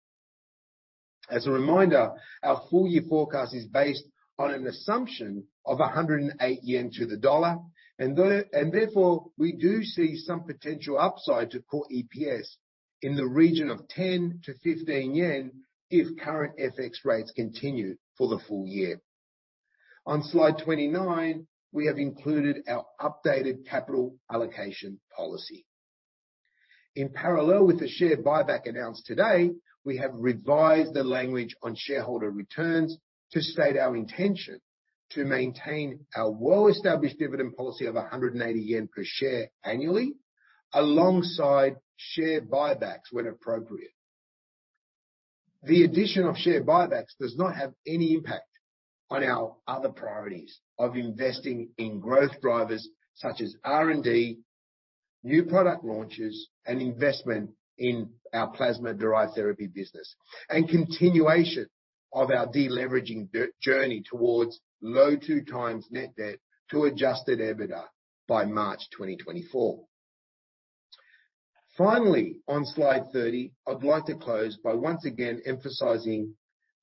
As a reminder, our full-year forecast is based on an assumption of 108 yen to the dollar. Therefore, we do see some potential upside to core EPS in the region of 10-15 yen if current FX rates continue for the full year. On slide 29, we have included our updated capital allocation policy. In parallel with the share buyback announced today, we have revised the language on shareholder returns to state our intention to maintain our well-established dividend policy of 180 yen per share annually, alongside share buybacks when appropriate. The addition of share buybacks does not have any impact on our other priorities of investing in growth drivers such as R&D, new product launches, and investment in our plasma-derived therapy business, and continuation of our deleveraging journey towards low 2x net debt to adjusted EBITDA by March 2024. Finally, on slide 30, I'd like to close by once again emphasizing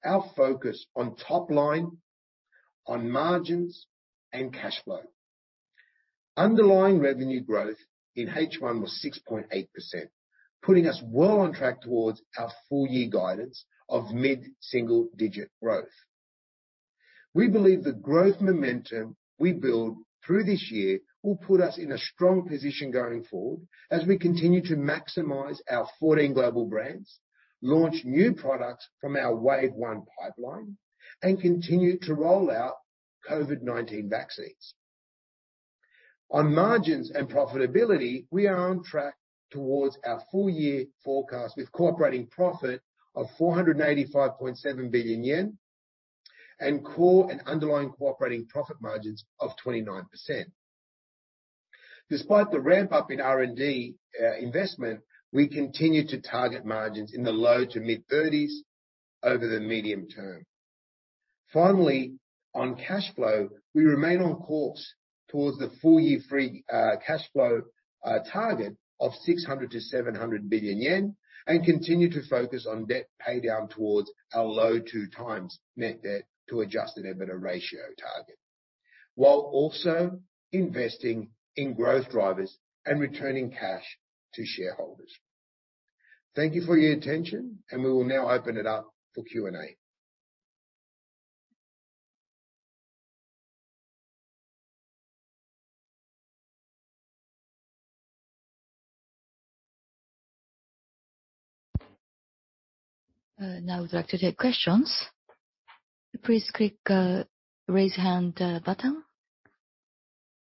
our focus on top line, on margins, and cash flow. Underlying revenue growth in H1 was 6.8%, putting us well on track towards our full-year guidance of mid-single digit growth. We believe the growth momentum we build through this year will put us in a strong position going forward as we continue to maximize our 14 global brands, launch new products from our Wave 1 pipeline, and continue to roll out COVID-19 vaccines. On margins and profitability, we are on track towards our full-year forecast with core operating profit of 485.7 billion yen and core and underlying core operating profit margins of 29%. Despite the ramp-up in R&D investment, we continue to target margins in the low-to-mid 30s% over the medium term. Finally, on cash flow, we remain on course towards the full-year free cash flow target of 600 billion-700 billion yen and continue to focus on debt paydown towards our low 2x net debt to adjusted EBITDA ratio target, while also investing in growth drivers and returning cash to shareholders. Thank you for your attention, and we will now open it up for Q&A. Now we'd like to take questions. Please click raise hand button.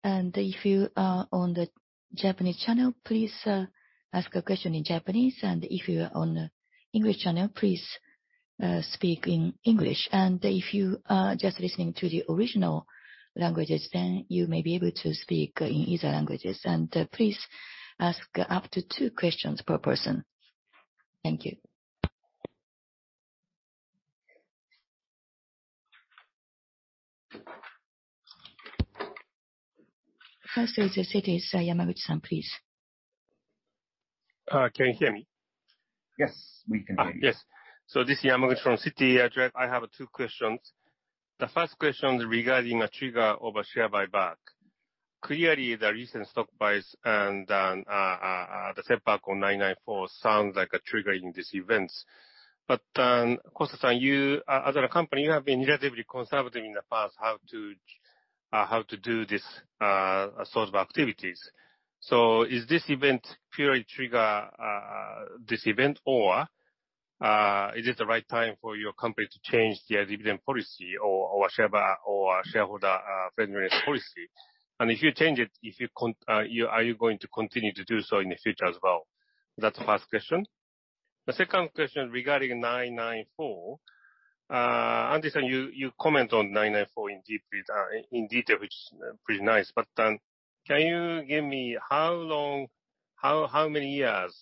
If you are on the Japanese channel, please ask a question in Japanese. If you are on the English channel, please speak in English. If you are just listening to the original languages, then you may be able to speak in either languages. Please ask up to two questions per person. Thank you. First is Citi, Yamaguchi-san, please. Can you hear me? Yes, we can hear you. This is Yamaguchi from Citi. Costa, I have two questions. The first question is regarding a trigger of a share buyback. Clearly, the recent stock buys and the setback on TAK-994 sounds like a trigger in these events. Costa, as a company, you have been relatively conservative in the past how to do this sort of activities. Is this event purely a trigger, this event or is it the right time for your company to change their dividend policy or share buyback or shareholder friendly policy? And if you change it, are you going to continue to do so in the future as well? That is the first question. The second question regarding 994. Andrew Plump, you comment on 994 in detail, which is pretty nice. Can you give me how many years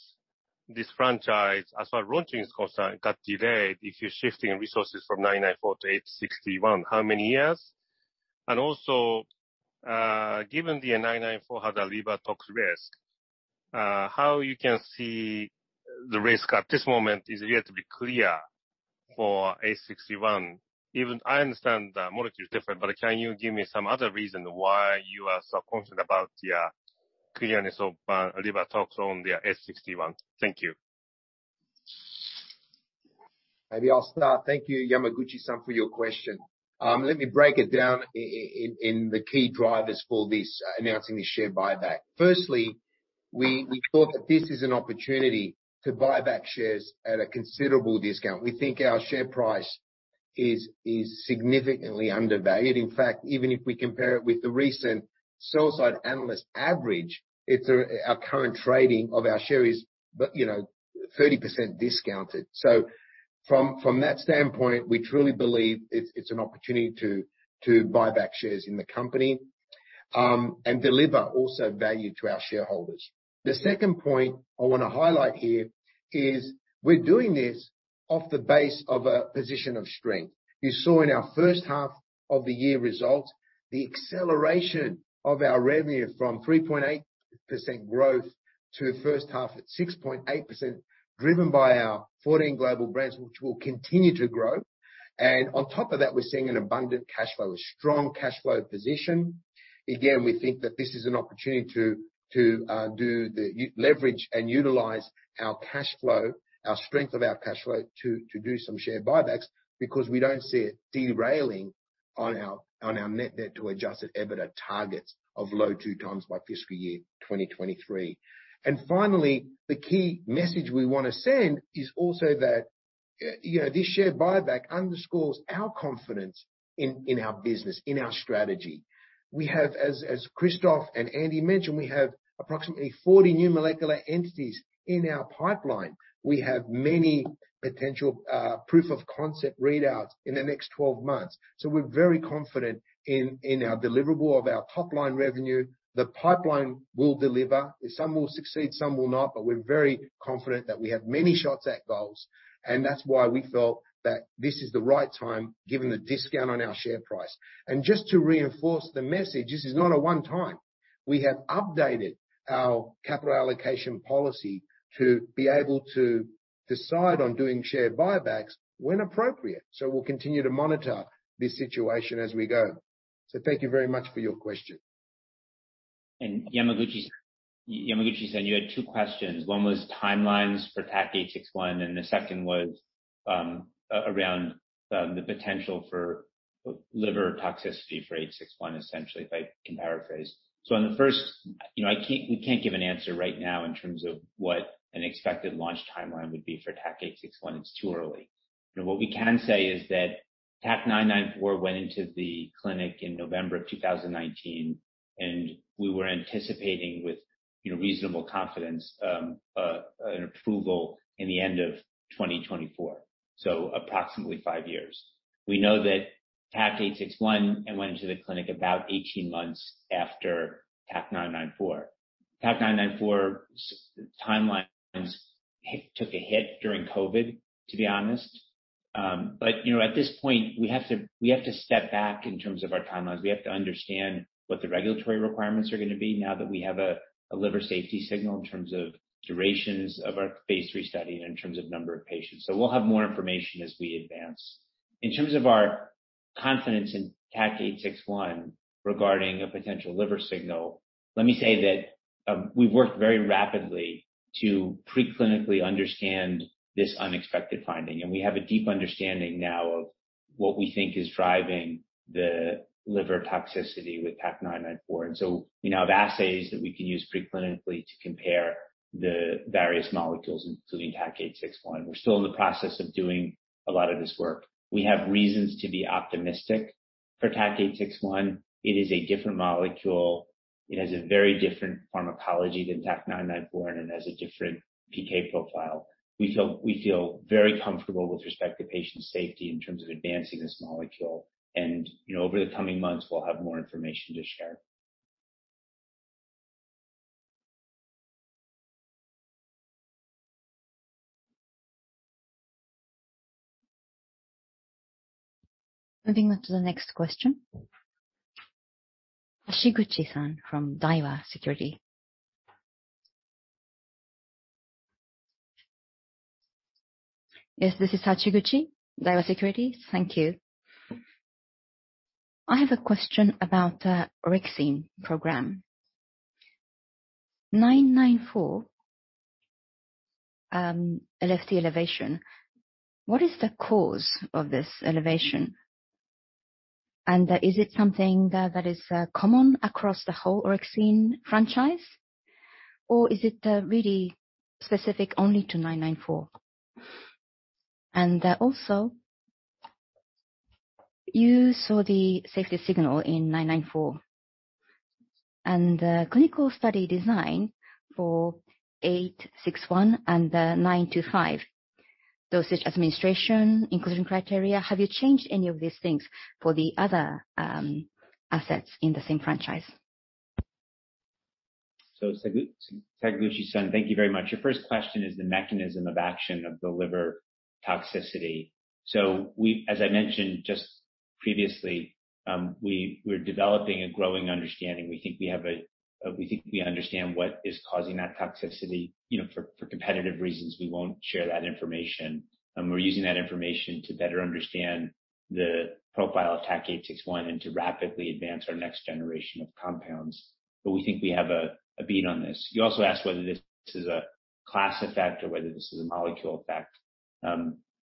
this franchise, as far as launching is concerned, got delayed if you're shifting resources from 994 to 861? How many years? And also, given the 994 had a liver tox risk, how you can see the risk at this moment is yet to be clear for 861. Even I understand the molecule is different, but can you give me some other reason why you are so confident about the clearness of liver tox on the 861? Thank you. Maybe I'll start. Thank you, Yamaguchi-san, for your question. Let me break it down in the key drivers for this, announcing the share buyback. Firstly, we thought that this is an opportunity to buy back shares at a considerable discount. We think our share price is significantly undervalued. In fact, even if we compare it with the recent sell side analyst average, it's our current trading of our share, but you know, 30% discounted. From that standpoint, we truly believe it's an opportunity to buy back shares in the company and deliver also value to our shareholders. The second point I wanna highlight here is we're doing this off the base of a position of strength. You saw in our first half of the year results the acceleration of our revenue from 3.8% growth to the first half at 6.8%, driven by our 14 global brands, which will continue to grow. On top of that, we're seeing an abundant cash flow, a strong cash flow position. Again, we think that this is an opportunity to leverage and utilize our cash flow, the strength of our cash flow to do some share buybacks because we don't see it derailing on our net debt to adjusted EBITDA targets of low 2x by fiscal year 2023. Finally, the key message we wanna send is also that, you know, this share buyback underscores our confidence in our business, in our strategy. We have, as Christophe and Andy mentioned, we have approximately 40 new molecular entities in our pipeline. We have many potential proof-of-concept readouts in the next 12 months. We're very confident in our deliverable of our top-line revenue. The pipeline will deliver. Some will succeed, some will not, but we're very confident that we have many shots on goal. That's why we felt that this is the right time, given the discount on our share price. Just to reinforce the message, this is not a one-time. We have updated our capital allocation policy to be able to decide on doing share buybacks when appropriate. We'll continue to monitor this situation as we go. Thank you very much for your question. Yamaguchi-san, you had two questions. One was timelines for TAK-861, and the second was around the potential for liver toxicity for 861, essentially, if I can paraphrase. On the first, you know, we can't give an answer right now in terms of what an expected launch timeline would be for TAK-861. It's too early. What we can say is that TAK-994 went into the clinic in November of 2019, and we were anticipating with, you know, reasonable confidence, an approval in the end of 2024. Approximately five years. We know that TAK-861 went into the clinic about 18 months after TAK-994. TAK-994's timeline took a hit during COVID, to be honest. You know, at this point we have to step back in terms of our timelines. We have to understand what the regulatory requirements are gonna be now that we have a liver safety signal in terms of durations of our phase III study and in terms of number of patients. We'll have more information as we advance. In terms of our confidence in TAK-861 regarding a potential liver signal, let me say that, we've worked very rapidly to pre-clinically understand this unexpected finding, and we have a deep understanding now of what we think is driving the liver toxicity with TAK-994. We now have assays that we can use pre-clinically to compare the various molecules, including TAK-861. We're still in the process of doing a lot of this work. We have reasons to be optimistic for TAK-861. It is a different molecule. It has a very different pharmacology than TAK-994, and it has a different PK profile. We feel very comfortable with respect to patient safety in terms of advancing this molecule. You know, over the coming months, we'll have more information to share. Moving on to the next question. Hashiguchi-san from Daiwa Securities. Yes, this is Hashiguchi, Daiwa Securities. Thank you. I have a question about the orexin program. 994, LFT elevation. What is the cause of this elevation? And is it something that is common across the whole orexin franchise, or is it really specific only to 994? And also, you saw the safety signal in 994 and the clinical study design for 861 and 925 dosage administration inclusion criteria. Have you changed any of these things for the other assets in the same franchise? Hashiguchi-san, thank you very much. Your first question is the mechanism of action of the liver toxicity. As I mentioned just previously, we're developing a growing understanding. We think we understand what is causing that toxicity. You know, for competitive reasons, we won't share that information. We're using that information to better understand the profile of TAK-861 and to rapidly advance our next generation of compounds. But we think we have a bead on this. You also asked whether this is a class effect or whether this is a molecule effect.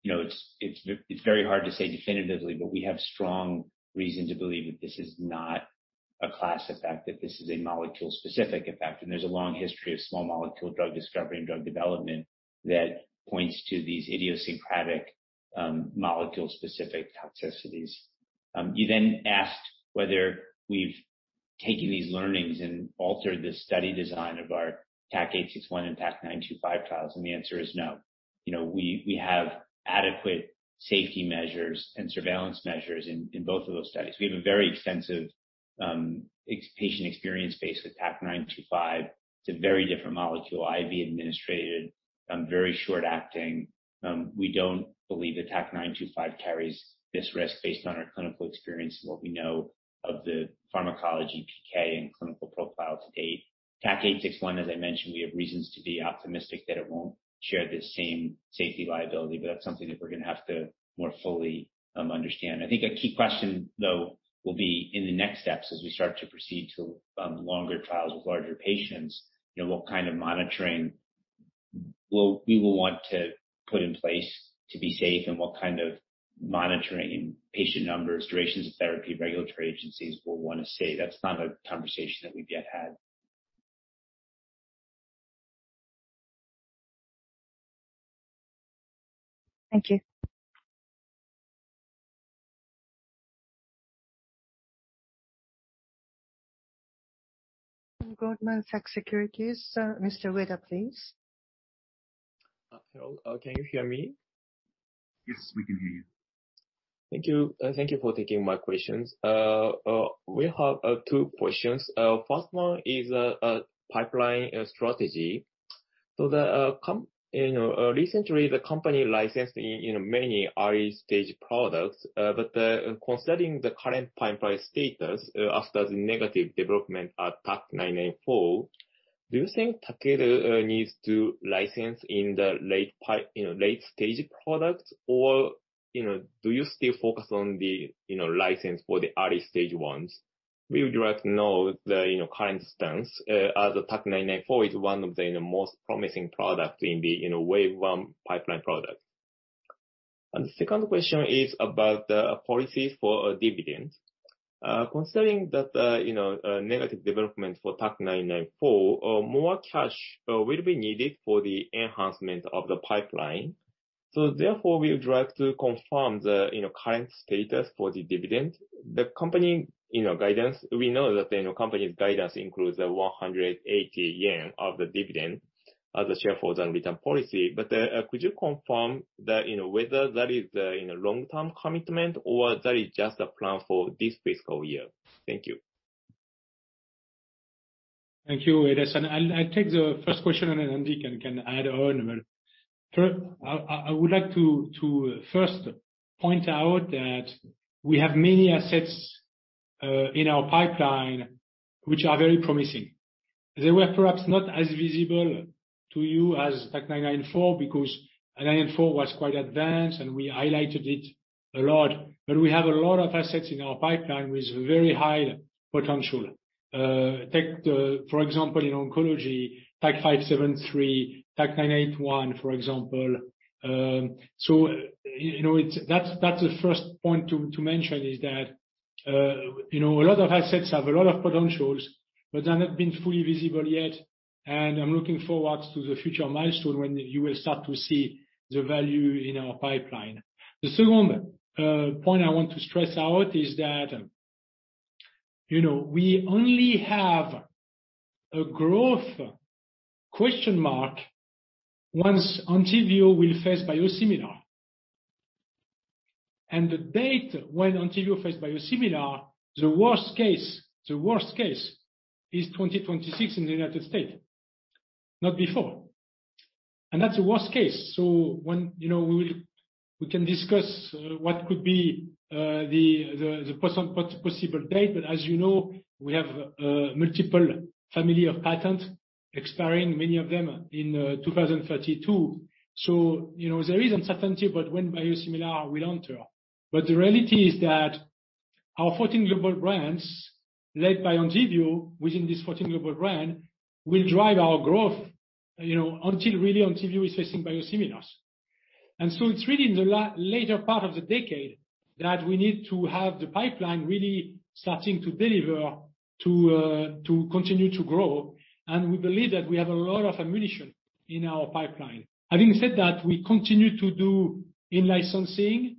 You know, it's very hard to say definitively, but we have strong reason to believe that this is not a class effect, that this is a molecule specific effect. There's a long history of small molecule drug discovery and drug development that points to these idiosyncratic, molecule specific toxicities. You then asked whether we've taken these learnings and altered the study design of our TAK-861 and TAK-925 trials, and the answer is no. You know, we have adequate safety measures and surveillance measures in both of those studies. We have a very extensive, ex-patient experience base with TAK-925. It's a very different molecule, IV administered, very short acting. We don't believe that TAK-925 carries this risk based on our clinical experience and what we know of the pharmacology, PK, and clinical profile to date. TAK-861, as I mentioned, we have reasons to be optimistic that it won't share the same safety liability, but that's something that we're gonna have to more fully understand. I think a key question, though, will be in the next steps as we start to proceed to longer trials with larger patients. You know, what kind of monitoring will we want to put in place to be safe? What kind of monitoring, patient numbers, durations of therapy regulatory agencies will wanna see? That's not a conversation that we've yet had. Thank you. Goldman Sachs Securities. Sir, Mr. Ueda, please. Hello. Can you hear me? Yes, we can hear you. Thank you for taking my questions. We have two questions. First one is pipeline strategy. You know, recently the company licensed in you know many early-stage products. But considering the current pipeline status after the negative development at TAK-994, do you think Takeda needs to license in you know late-stage products? Or you know do you still focus on the you know license for the early stage ones? We would like to know the you know current stance as TAK-994 is one of the you know most promising product in the you know Wave 1 pipeline product. And the second question is about the policy for dividend. Considering that, you know, negative development for TAK-994, more cash will be needed for the enhancement of the pipeline. Therefore, we would like to confirm the, you know, current status for the dividend. The company's guidance. We know that the, you know, company's guidance includes a 180 yen of the dividend as a shareholder return policy. Could you confirm that, you know, whether that is the, you know, long-term commitment or that is just a plan for this fiscal year? Thank you. Thank you, Ueda-san. I'll take the first question and Andy can add on. I would like to first point out that we have many assets in our pipeline which are very promising. They were perhaps not as visible to you as TAK-994 because 994 was quite advanced, and we highlighted it a lot. We have a lot of assets in our pipeline with very high potential. For example, in oncology, TAK-573, TAK-981, for example. So you know, that's the first point to mention is that, you know, a lot of assets have a lot of potentials, but they're not been fully visible yet. I'm looking forward to the future milestone when you will start to see the value in our pipeline. The second point I want to stress out is that, you know, we only have a growth question mark once ENTYVIO will face biosimilar. The date when ENTYVIO faces biosimilar, the worst case is 2026 in the United States, not before. That's the worst case. When you know, we will we can discuss what could be the possible date. As you know, we have multiple family of patent expiring, many of them in 2032. You know, there is uncertainty about when biosimilar will enter. The reality is that our 14 global brands, led by ENTYVIO, within these 14 global brand, will drive our growth, you know, until really ENTYVIO is facing biosimilars. It's really in the later part of the decade that we need to have the pipeline really starting to deliver to continue to grow. We believe that we have a lot of ammunition in our pipeline. Having said that, we continue to do in-licensing,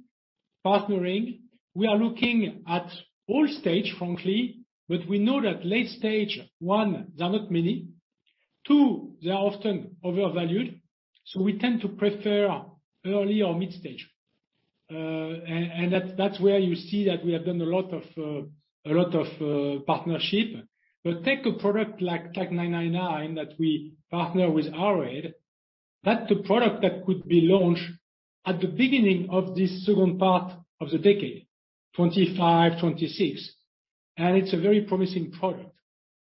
partnering. We are looking at all stages, frankly, but we know that late stage, one, there are not many. Two, they are often overvalued. We tend to prefer early or mid-stage. That's where you see that we have done a lot of partnership. Take a product like TAK-999 that we partner with Arrowhead. That's a product that could be launched at the beginning of this second part of the decade, 2025, 2026, and it's a very promising product.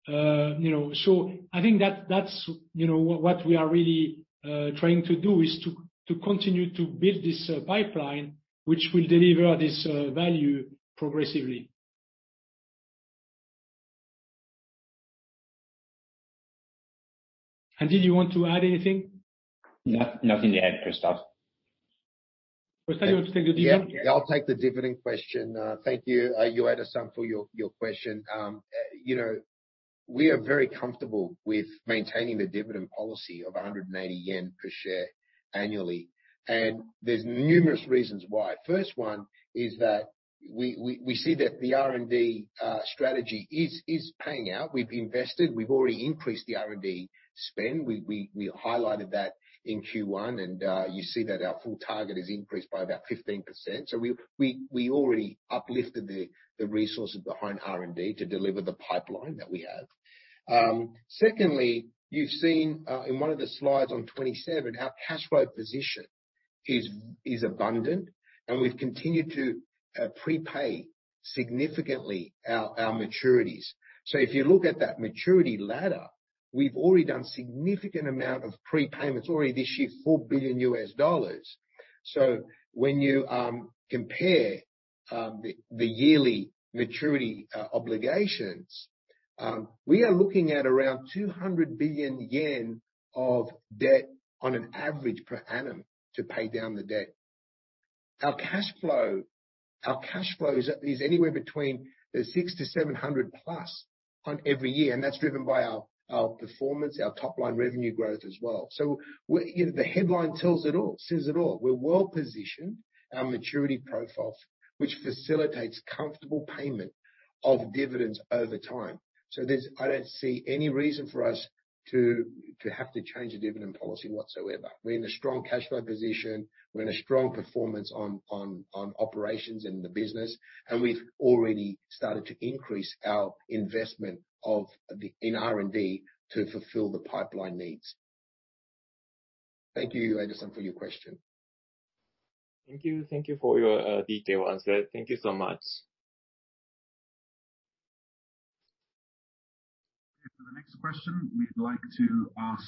You know, I think that's what we are really trying to do, is to continue to build this pipeline, which will deliver this value progressively. Did you want to add anything? No, nothing to add, Christophe. Costa, you want to take the dividend? Yeah, I'll take the dividend question. Thank you, Ueda-san for your question. You know, we are very comfortable with maintaining the dividend policy of 180 yen per share annually. There's numerous reasons why. First one is that we see that the R&D strategy is paying out. We've invested. We've already increased the R&D spend. We highlighted that in Q1, and you see that our full target is increased by about 15%. We already uplifted the resources behind R&D to deliver the pipeline that we have. Secondly, you've seen in one of the slides on 27, our cash flow position is abundant, and we've continued to prepay significantly our maturities. If you look at that maturity ladder, we've already done significant amount of prepayments already this year, $4 billion. When you compare the yearly maturity obligations, we are looking at around 200 billion yen of debt on an average per annum to pay down the debt. Our cash flow is anywhere between 600-700+ on every year, and that's driven by our performance, our top-line revenue growth as well. You know, the headline tells it all, says it all. We're well-positioned, our maturity profile, which facilitates comfortable payment of dividends over time. There's I don't see any reason for us to have to change the dividend policy whatsoever. We're in a strong cash flow position. We're in a strong performance in operations in the business, and we've already started to increase our investment in R&D to fulfill the pipeline needs. Thank you, Ueda-san, for your question. Thank you. Thank you for your detailed answer. Thank you so much. For the next question, we'd like to ask,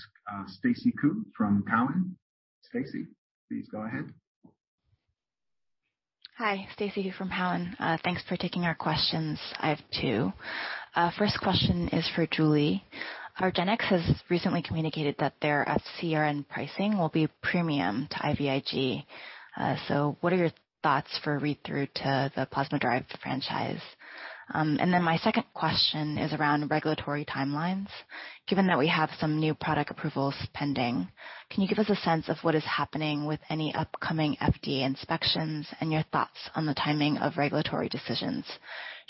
Stacy Ku from Cowen. Stacy, please go ahead. Hi. Stacy Ku from Cowen. Thanks for taking our questions. I have two. First question is for Julie. argenx has recently communicated that their FcRn pricing will be premium to IVIG. What are your thoughts for read-through to the plasma-derived franchise? Then my second question is around regulatory timelines. Given that we have some new product approvals pending, can you give us a sense of what is happening with any upcoming FDA inspections and your thoughts on the timing of regulatory decisions?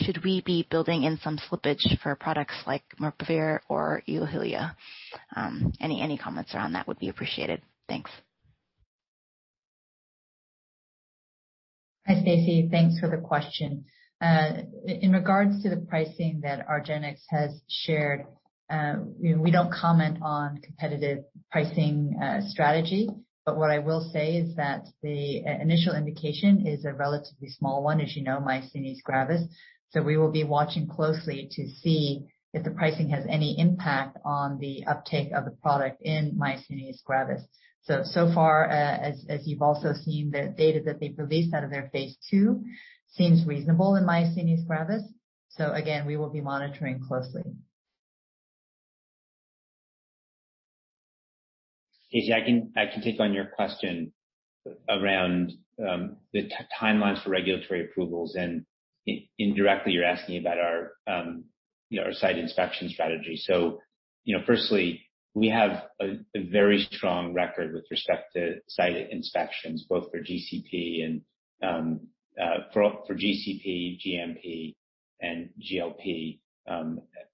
Should we be building in some slippage for products like maribavir or EOHILIA? Any comments around that would be appreciated. Thanks. Hi, Stacy. Thanks for the question. In regards to the pricing that argenx has shared, you know, we don't comment on competitive pricing strategy. What I will say is that the initial indication is a relatively small one, as you know, myasthenia gravis. We will be watching closely to see if the pricing has any impact on the uptake of the product in myasthenia gravis. So far, as you've also seen, the data that they've released out of their phase II seems reasonable in myasthenia gravis. Again, we will be monitoring closely. Stacy, I can take on your question around the timelines for regulatory approvals. Indirectly, you're asking about our, you know, our site inspection strategy. You know, first, we have a very strong record with respect to site inspections, both for GCP, GMP, and GLP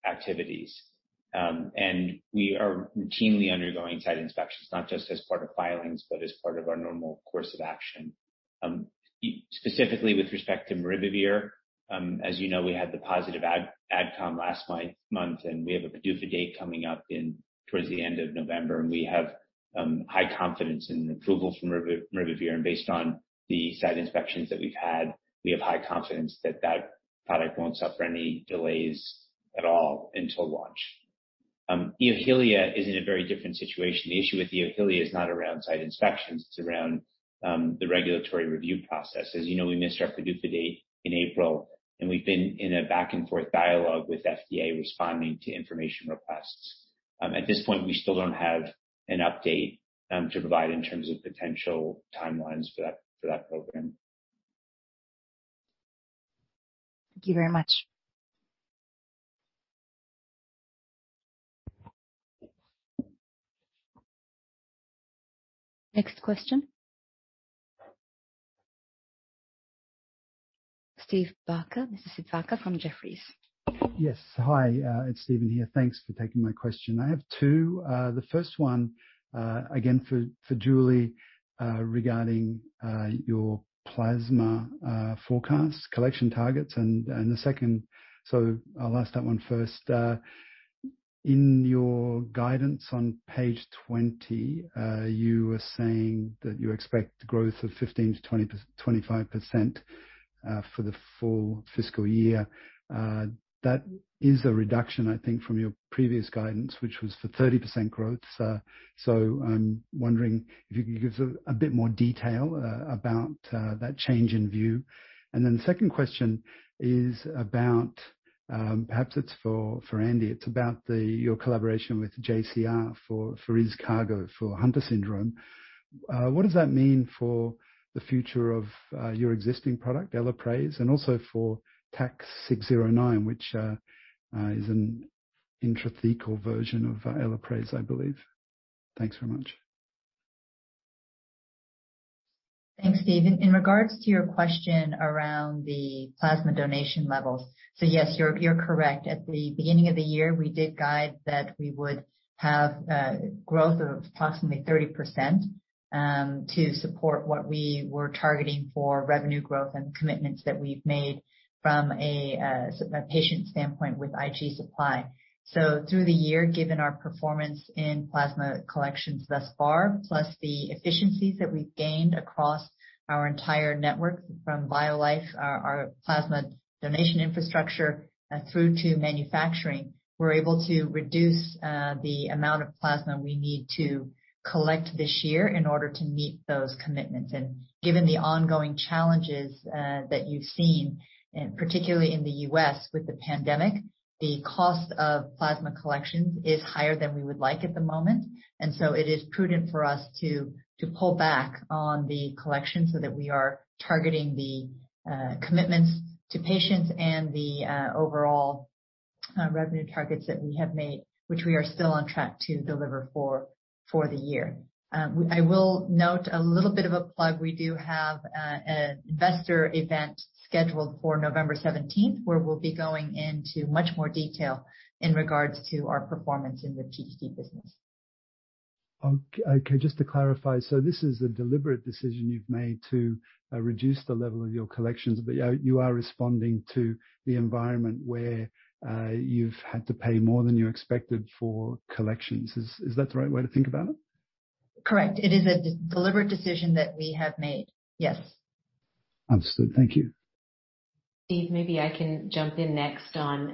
activities. We are routinely undergoing site inspections, not just as part of filings, but as part of our normal course of action. Specifically with respect to maribavir, as you know, we had the positive AdCom last month, and we have a PDUFA date coming up towards the end of November, and we have high confidence in approval of maribavir. Based on the site inspections that we've had, we have high confidence that that product won't suffer any delays at all until launch. EOHILIA is in a very different situation. The issue with EOHILIA is not around site inspections, it's around the regulatory review process. As you know, we missed our PDUFA date in April, and we've been in a back-and-forth dialogue with FDA responding to information requests. At this point, we still don't have an update to provide in terms of potential timelines for that program. Thank you very much. Next question. Stephen Barker. Mr. Stephen Barker from Jefferies. Yes. Hi, it's Steve here. Thanks for taking my question. I have two. The first one, again, for Julie, regarding your plasma forecast collection targets. I'll ask that one first. In your guidance on page 20, you were saying that you expect growth of 15%-25% for the full fiscal year. That is a reduction, I think, from your previous guidance, which was for 30% growth. I'm wondering if you could give a bit more detail about that change in view. Then the second question is about, perhaps it's for Andy, your collaboration with JCR for IZCARGO for Hunter syndrome. What does that mean for the future of your existing product, ELAPRASE, and also for TAK-609, which is an intrathecal version of ELAPRASE, I believe? Thanks very much. Thanks, Steve. In regards to your question around the plasma donation levels. Yes, you're correct. At the beginning of the year, we did guide that we would have growth of approximately 30% to support what we were targeting for revenue growth and commitments that we've made from a patient standpoint with IG supply. Through the year, given our performance in plasma collections thus far, plus the efficiencies that we've gained across our entire network from BioLife, our plasma donation infrastructure, through to manufacturing, we're able to reduce the amount of plasma we need to collect this year in order to meet those commitments. Given the ongoing challenges that you've seen, particularly in the U.S. with the pandemic, the cost of plasma collections is higher than we would like at the moment. It is prudent for us to pull back on the collection so that we are targeting the commitments to patients and the overall revenue targets that we have made, which we are still on track to deliver for the year. I will note a little bit of a plug. We do have an investor event scheduled for November 17, where we'll be going into much more detail in regards to our performance in the PDT business. Okay. Just to clarify, so this is a deliberate decision you've made to reduce the level of your collections, but you are responding to the environment where you've had to pay more than you expected for collections. Is that the right way to think about it? Correct. It is a deliberate decision that we have made. Yes. Understood. Thank you. Steve, maybe I can jump in next on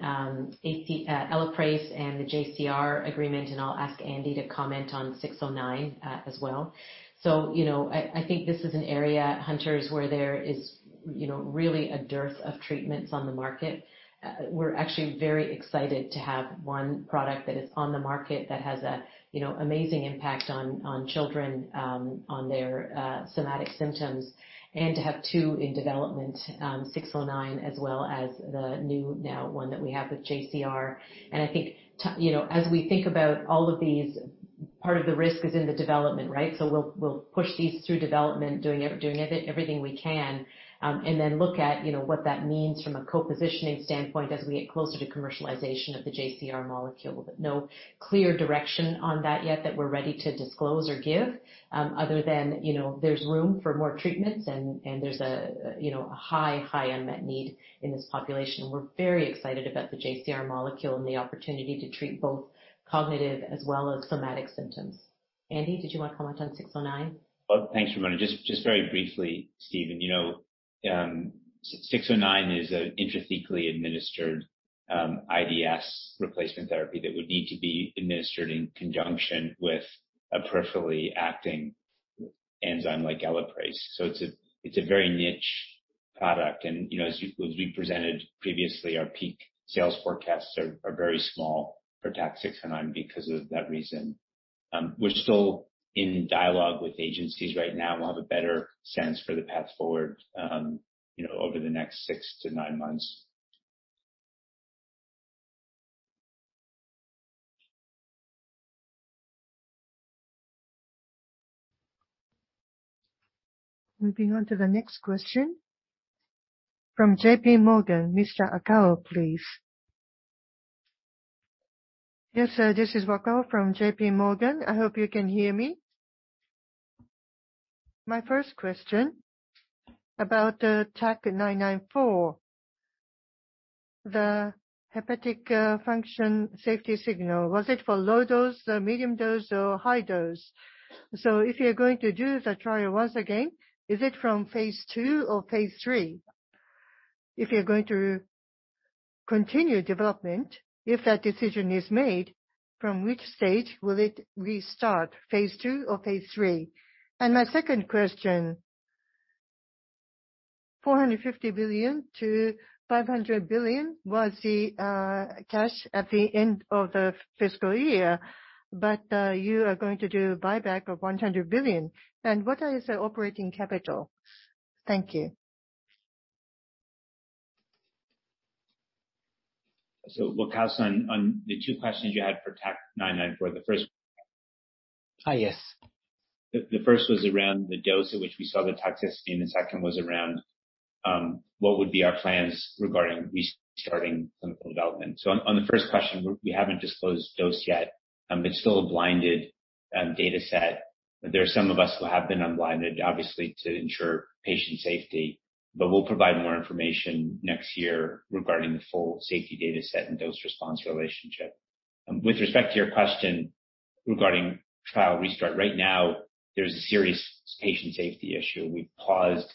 ELAPRASE and the JCR agreement, and I'll ask Andy to comment on 609 as well. You know, I think this is an area at Hunter syndrome where there is, you know, really a dearth of treatments on the market. We're actually very excited to have one product that is on the market that has a, you know, amazing impact on children on their somatic symptoms, and to have two in development, 609, as well as the new now one that we have with JCR. I think you know, as we think about all of these, part of the risk is in the development, right? We'll push these through development, doing everything we can, and then look at, you know, what that means from a competitive positioning standpoint as we get closer to commercialization of the JCR molecule. No clear direction on that yet that we're ready to disclose or give, other than, you know, there's room for more treatments and there's a, you know, a high unmet need in this population. We're very excited about the JCR molecule and the opportunity to treat both cognitive as well as somatic symptoms. Andy, did you want to comment on 609? Well, thanks, Ramona. Just very briefly, Steve. You know, 609 is an intrathecally administered IDS replacement therapy that would need to be administered in conjunction with a peripherally acting enzyme like ELAPRASE. It's a very niche product. You know, as you as we presented previously, our peak sales forecasts are very small for TAK-609 because of that reason. We're still in dialogue with agencies right now. We'll have a better sense for the path forward, you know, over the next six to nine months. Moving on to the next question from JPMorgan, Mr. Wakao, please. Yes, sir. This is Wakao from JPMorgan. I hope you can hear me. My first question, about TAK-994. The hepatic function safety signal, was it for low dose, medium dose or high dose? So if you are going to do the trial once again, is it from phase II or phase III? If you are going to continue development, if that decision is made, from which stage will it restart, phase II or phase III? My second question, 450 billion-500 billion was the cash at the end of the fiscal year. But you are going to do buyback of 100 billion. What is the operating capital? Thank you. Wakao-san, on the two questions you had for TAK-994. The first, the first was around the dose at which we saw the toxicity, and the second was around what would be our plans regarding restarting clinical development. On the first question, we haven't disclosed dose yet. It's still a blinded dataset. There are some of us who have been unblinded, obviously to ensure patient safety, but we'll provide more information next year regarding the full safety dataset and dose response relationship. With respect to your question regarding trial restart. Right now there's a serious patient safety issue. We've paused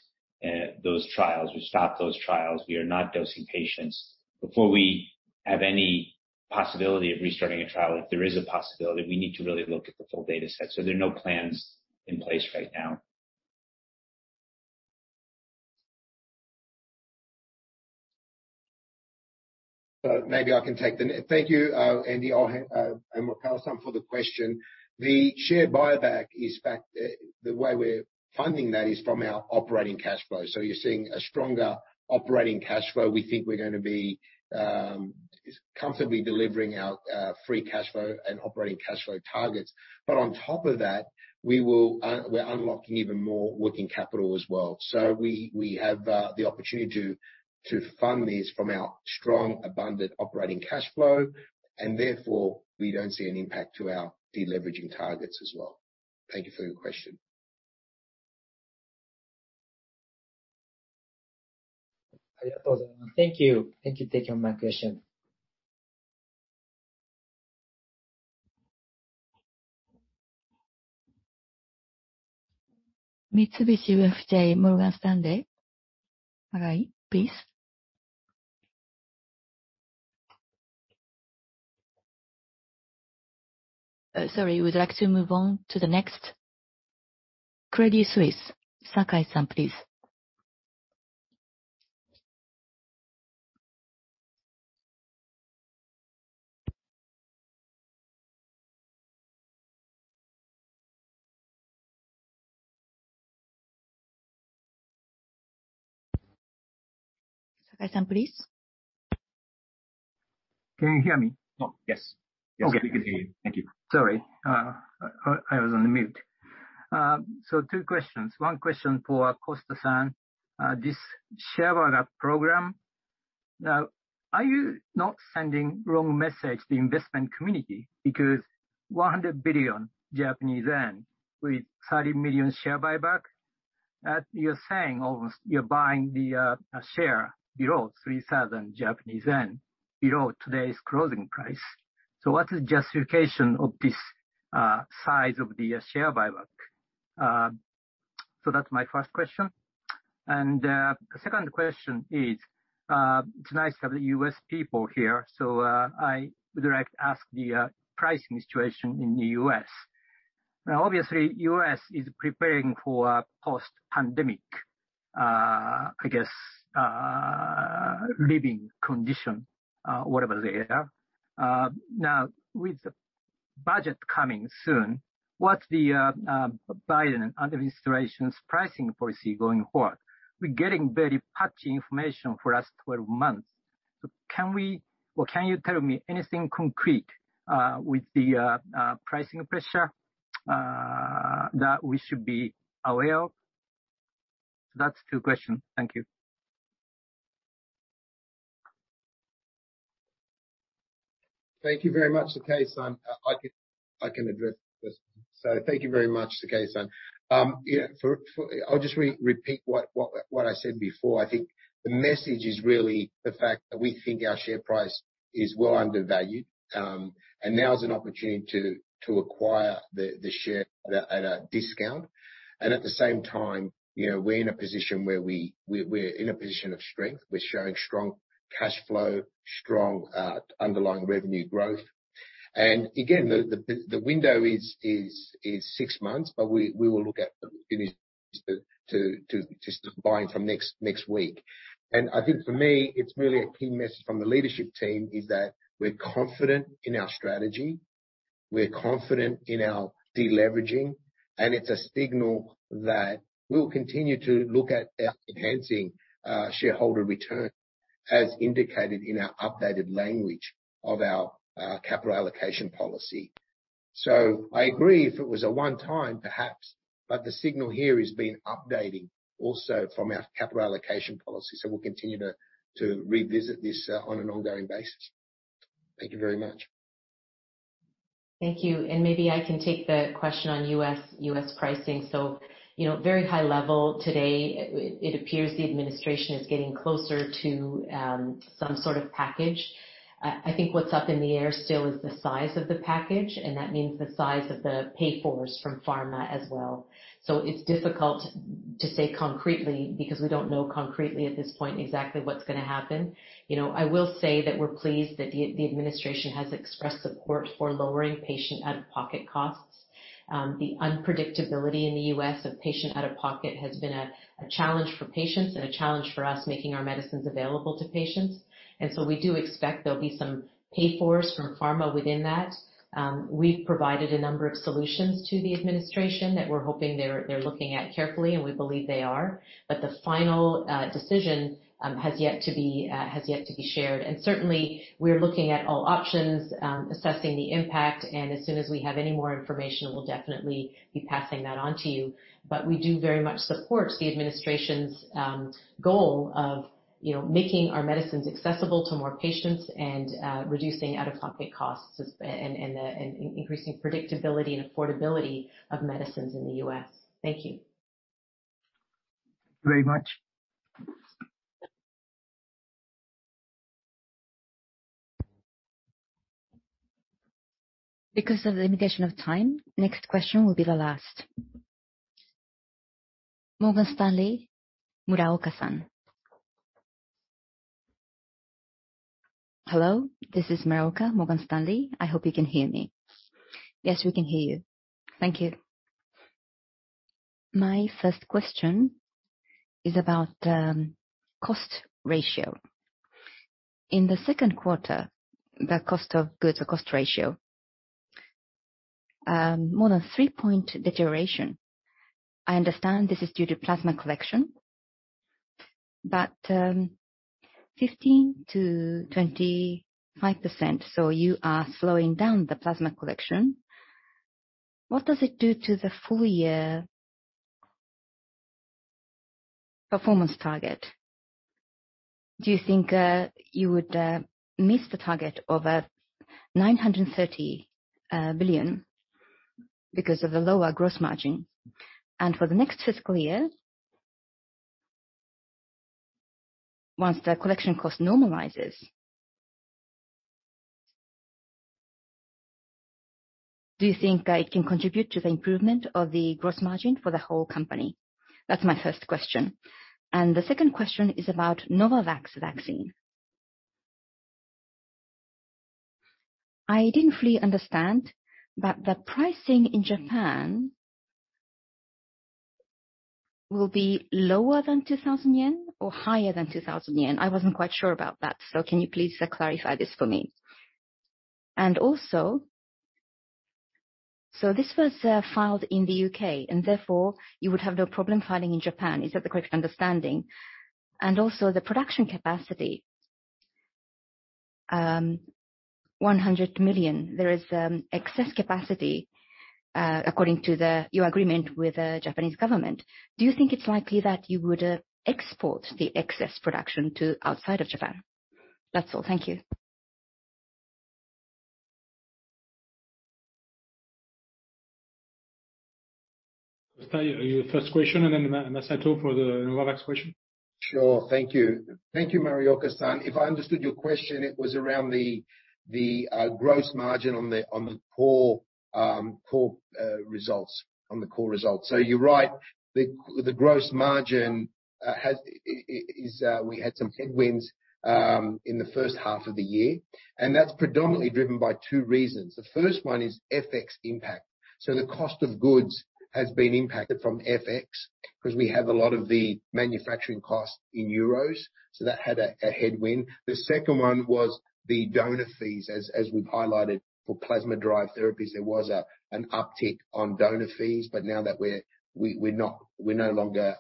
those trials. We've stopped those trials. We are not dosing patients. Before we have any possibility of restarting a trial, if there is a possibility, we need to really look at the full dataset. There are no plans in place right now. Thank you, Andy, and Wakao-san for the question. The share buyback, in fact, the way we're funding that is from our operating cash flow. You're seeing a stronger operating cash flow. We think we're gonna be comfortably delivering our free cash flow and operating cash flow targets. On top of that, we're unlocking even more working capital as well. We have the opportunity to fund these from our strong abundant operating cash flow, and therefore we don't see an impact to our deleveraging targets as well. Thank you for your question. Thank you for taking my question. Mitsubishi UFJ Morgan Stanley. Arai, please. Sorry. Would you like to move on to the next? Credit Suisse. Sakai-san, please. Can you hear me? Oh, yes. Okay. Yes, we can hear you. Thank you. Sorry, I was on mute. Two questions, one question for Costa-san. This share buyback program. Now, are you not sending wrong message to investment community? Because 100 billion Japanese yen with 30 million share buyback, you're saying almost you're buying the share below 3,000 Japanese yen, below today's closing price. What's the justification of this size of the share buyback? That's my first question. Second question is, it's nice to have the U.S. people here. I would like to ask the pricing situation in the U.S. Now, obviously, the U.S. is preparing for a post-pandemic, I guess, living condition, whatever they are. Now, with the budget coming soon, what's the Biden administration's pricing policy going forward? We're getting very patchy information for the last 12 months. Can we or can you tell me anything concrete, with the pricing pressure, that we should be aware of? That's two question. Thank you. Thank you very much, Sakai-san. I can address the first one. Thank you very much, Sakai-san. I'll just repeat what I said before. I think the message is really the fact that we think our share price is well-undervalued, and now is an opportunity to acquire the share at a discount. At the same time, you know, we're in a position of strength. We're showing strong cash flow, strong underlying revenue growth. Again, the window is six months, but we will look at the opportunities to start buying from next week. I think for me it's really a key message from the leadership team is that we're confident in our strategy, we're confident in our deleveraging, and it's a signal that we'll continue to look at enhancing shareholder return as indicated in our updated language of our capital allocation policy. I agree if it was a one-time, perhaps, but the signal here has been updating also from our capital allocation policy. We'll continue to revisit this on an ongoing basis. Thank you very much. Thank you. Maybe I can take the question on U.S. pricing. Very high level today, it appears the administration is getting closer to some sort of package. I think what's up in the air still is the size of the package, and that means the size of the pay-for from pharma as well. It's difficult to say concretely because we don't know concretely at this point exactly what's gonna happen. You know, I will say that we're pleased that the administration has expressed support for lowering patient out-of-pocket costs. The unpredictability in the U.S. of patient out-of-pocket has been a challenge for patients and a challenge for us making our medicines available to patients. We do expect there'll be some pay-for from pharma within that. We've provided a number of solutions to the administration that we're hoping they're looking at carefully, and we believe they are. The final decision has yet to be shared. Certainly we're looking at all options, assessing the impact, and as soon as we have any more information, we'll definitely be passing that on to you. We do very much support the administration's goal of, you know, making our medicines accessible to more patients and reducing out-of-pocket costs and increasing predictability and affordability of medicines in the U.S. Thank you. Thank you very much. Because of the limitation of time, next question will be the last. Morgan Stanley, Muraoka-san. Hello, this is Muraoka, Morgan Stanley. I hope you can hear me. Yes, we can hear you. Thank you. My first question is about cost ratio. In the second quarter, the cost of goods or cost ratio more than three-point deterioration. I understand this is due to plasma collection, but 50%-25%, so you are slowing down the plasma collection. What does it do to the full year performance target? Do you think you would miss the target of 930 billion because of the lower gross margin? And for the next fiscal year, once the collection cost normalizes, do you think that it can contribute to the improvement of the gross margin for the whole company? That's my first question. The second question is about Novavax vaccine. I didn't fully understand, but the pricing in Japan will be lower than 2,000 yen or higher than 2,000 yen? I wasn't quite sure about that, so can you please clarify this for me. This was filed in the U.K., and therefore you would have no problem filing in Japan. Is that the correct understanding? The production capacity, 100 million. There is excess capacity according to your agreement with the Japanese government. Do you think it's likely that you would export the excess production to outside of Japan? That's all. Thank you. Can you repeat your first question and then Masato for the Novavax question. Sure. Thank you. Thank you, Muraoka-san. If I understood your question, it was around the gross margin on the core results. You're right. The gross margin has we had some headwinds in the first half of the year, and that's predominantly driven by two reasons. The first one is FX impact. The cost of goods has been impacted from FX because we have a lot of the manufacturing costs in euros. That had a headwind. The second one was the donor fees. As we've highlighted for plasma-derived therapies, there was an uptick on donor fees. Now that we're no longer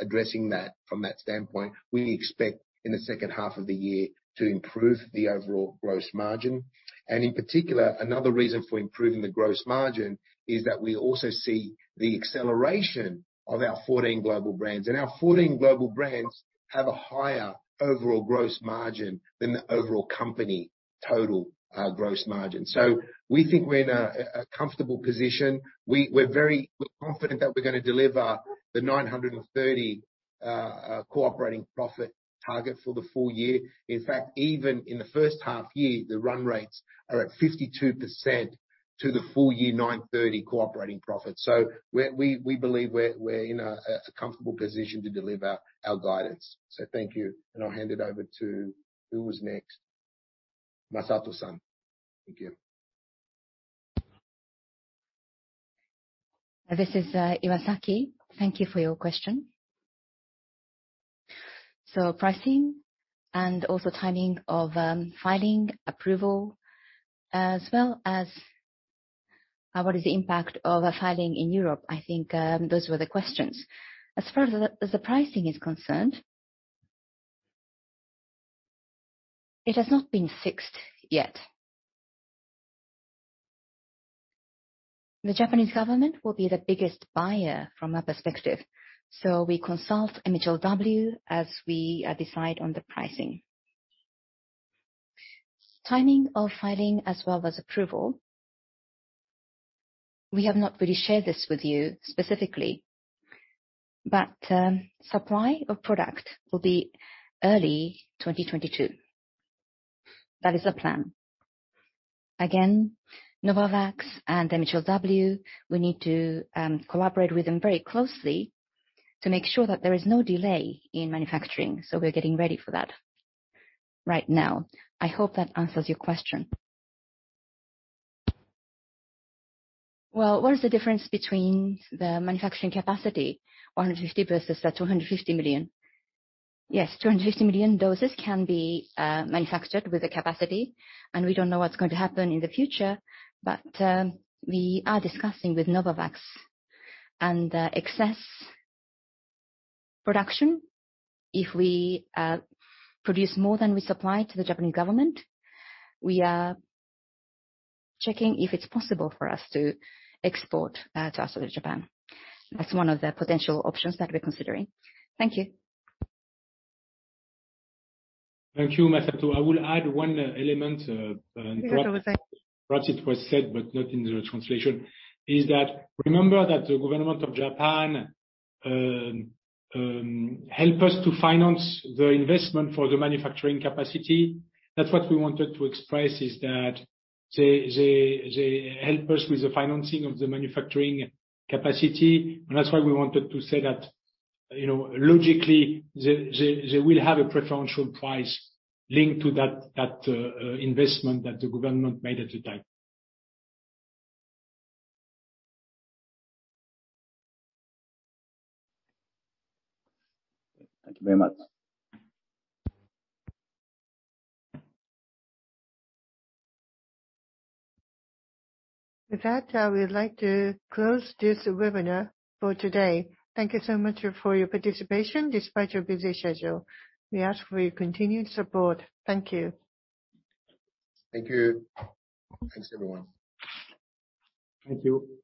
addressing that from that standpoint, we expect in the second half of the year to improve the overall gross margin. In particular, another reason for improving the gross margin is that we also see the acceleration of our 14 global brands. Our 14 global brands have a higher overall gross margin than the overall company total gross margin. We think we're in a comfortable position. We're very confident that we're gonna deliver the 930 billion core operating profit target for the full year. In fact, even in the first half year, the run rates are at 52% of the full year 930 core operating profit. We believe we're in a comfortable position to deliver our guidance. Thank you. I'll hand it over to who was next. Masato-san. Thank you. This is Masato-san. Thank you for your question. Pricing and also timing of filing, approval, as well as what is the impact of a filing in Europe. I think those were the questions. As far as the pricing is concerned, it has not been fixed yet. The Japanese government will be the biggest buyer from our perspective, so we consult MHLW as we decide on the pricing. Timing of filing as well as approval, we have not really shared this with you specifically, but supply of product will be early 2022. That is our plan. Again, Novavax and MHLW, we need to collaborate with them very closely to make sure that there is no delay in manufacturing, so we're getting ready for that right now. I hope that answers your question. Well, what is the difference between the manufacturing capacity, 150 versus the 250 million? Yes, 250 million doses can be manufactured with the capacity, and we don't know what's going to happen in the future. We are discussing with Novavax and excess production, if we produce more than we supply to the Japanese government, we are checking if it's possible for us to export to outside of Japan. That's one of the potential options that we're considering. Thank you. Thank you, Masato. I will add one element, and perhaps. Yes, go ahead. Perhaps it was said, but not in the translation, is that remember that the government of Japan help us to finance the investment for the manufacturing capacity. That's what we wanted to express, is that they help us with the financing of the manufacturing capacity. That's why we wanted to say that, you know, logically, they will have a preferential price linked to that investment that the government made at the time. Thank you very much. With that, we would like to close this webinar for today. Thank you so much for your participation despite your busy schedule. We ask for your continued support. Thank you. Thank you. Thanks, everyone. Thank you.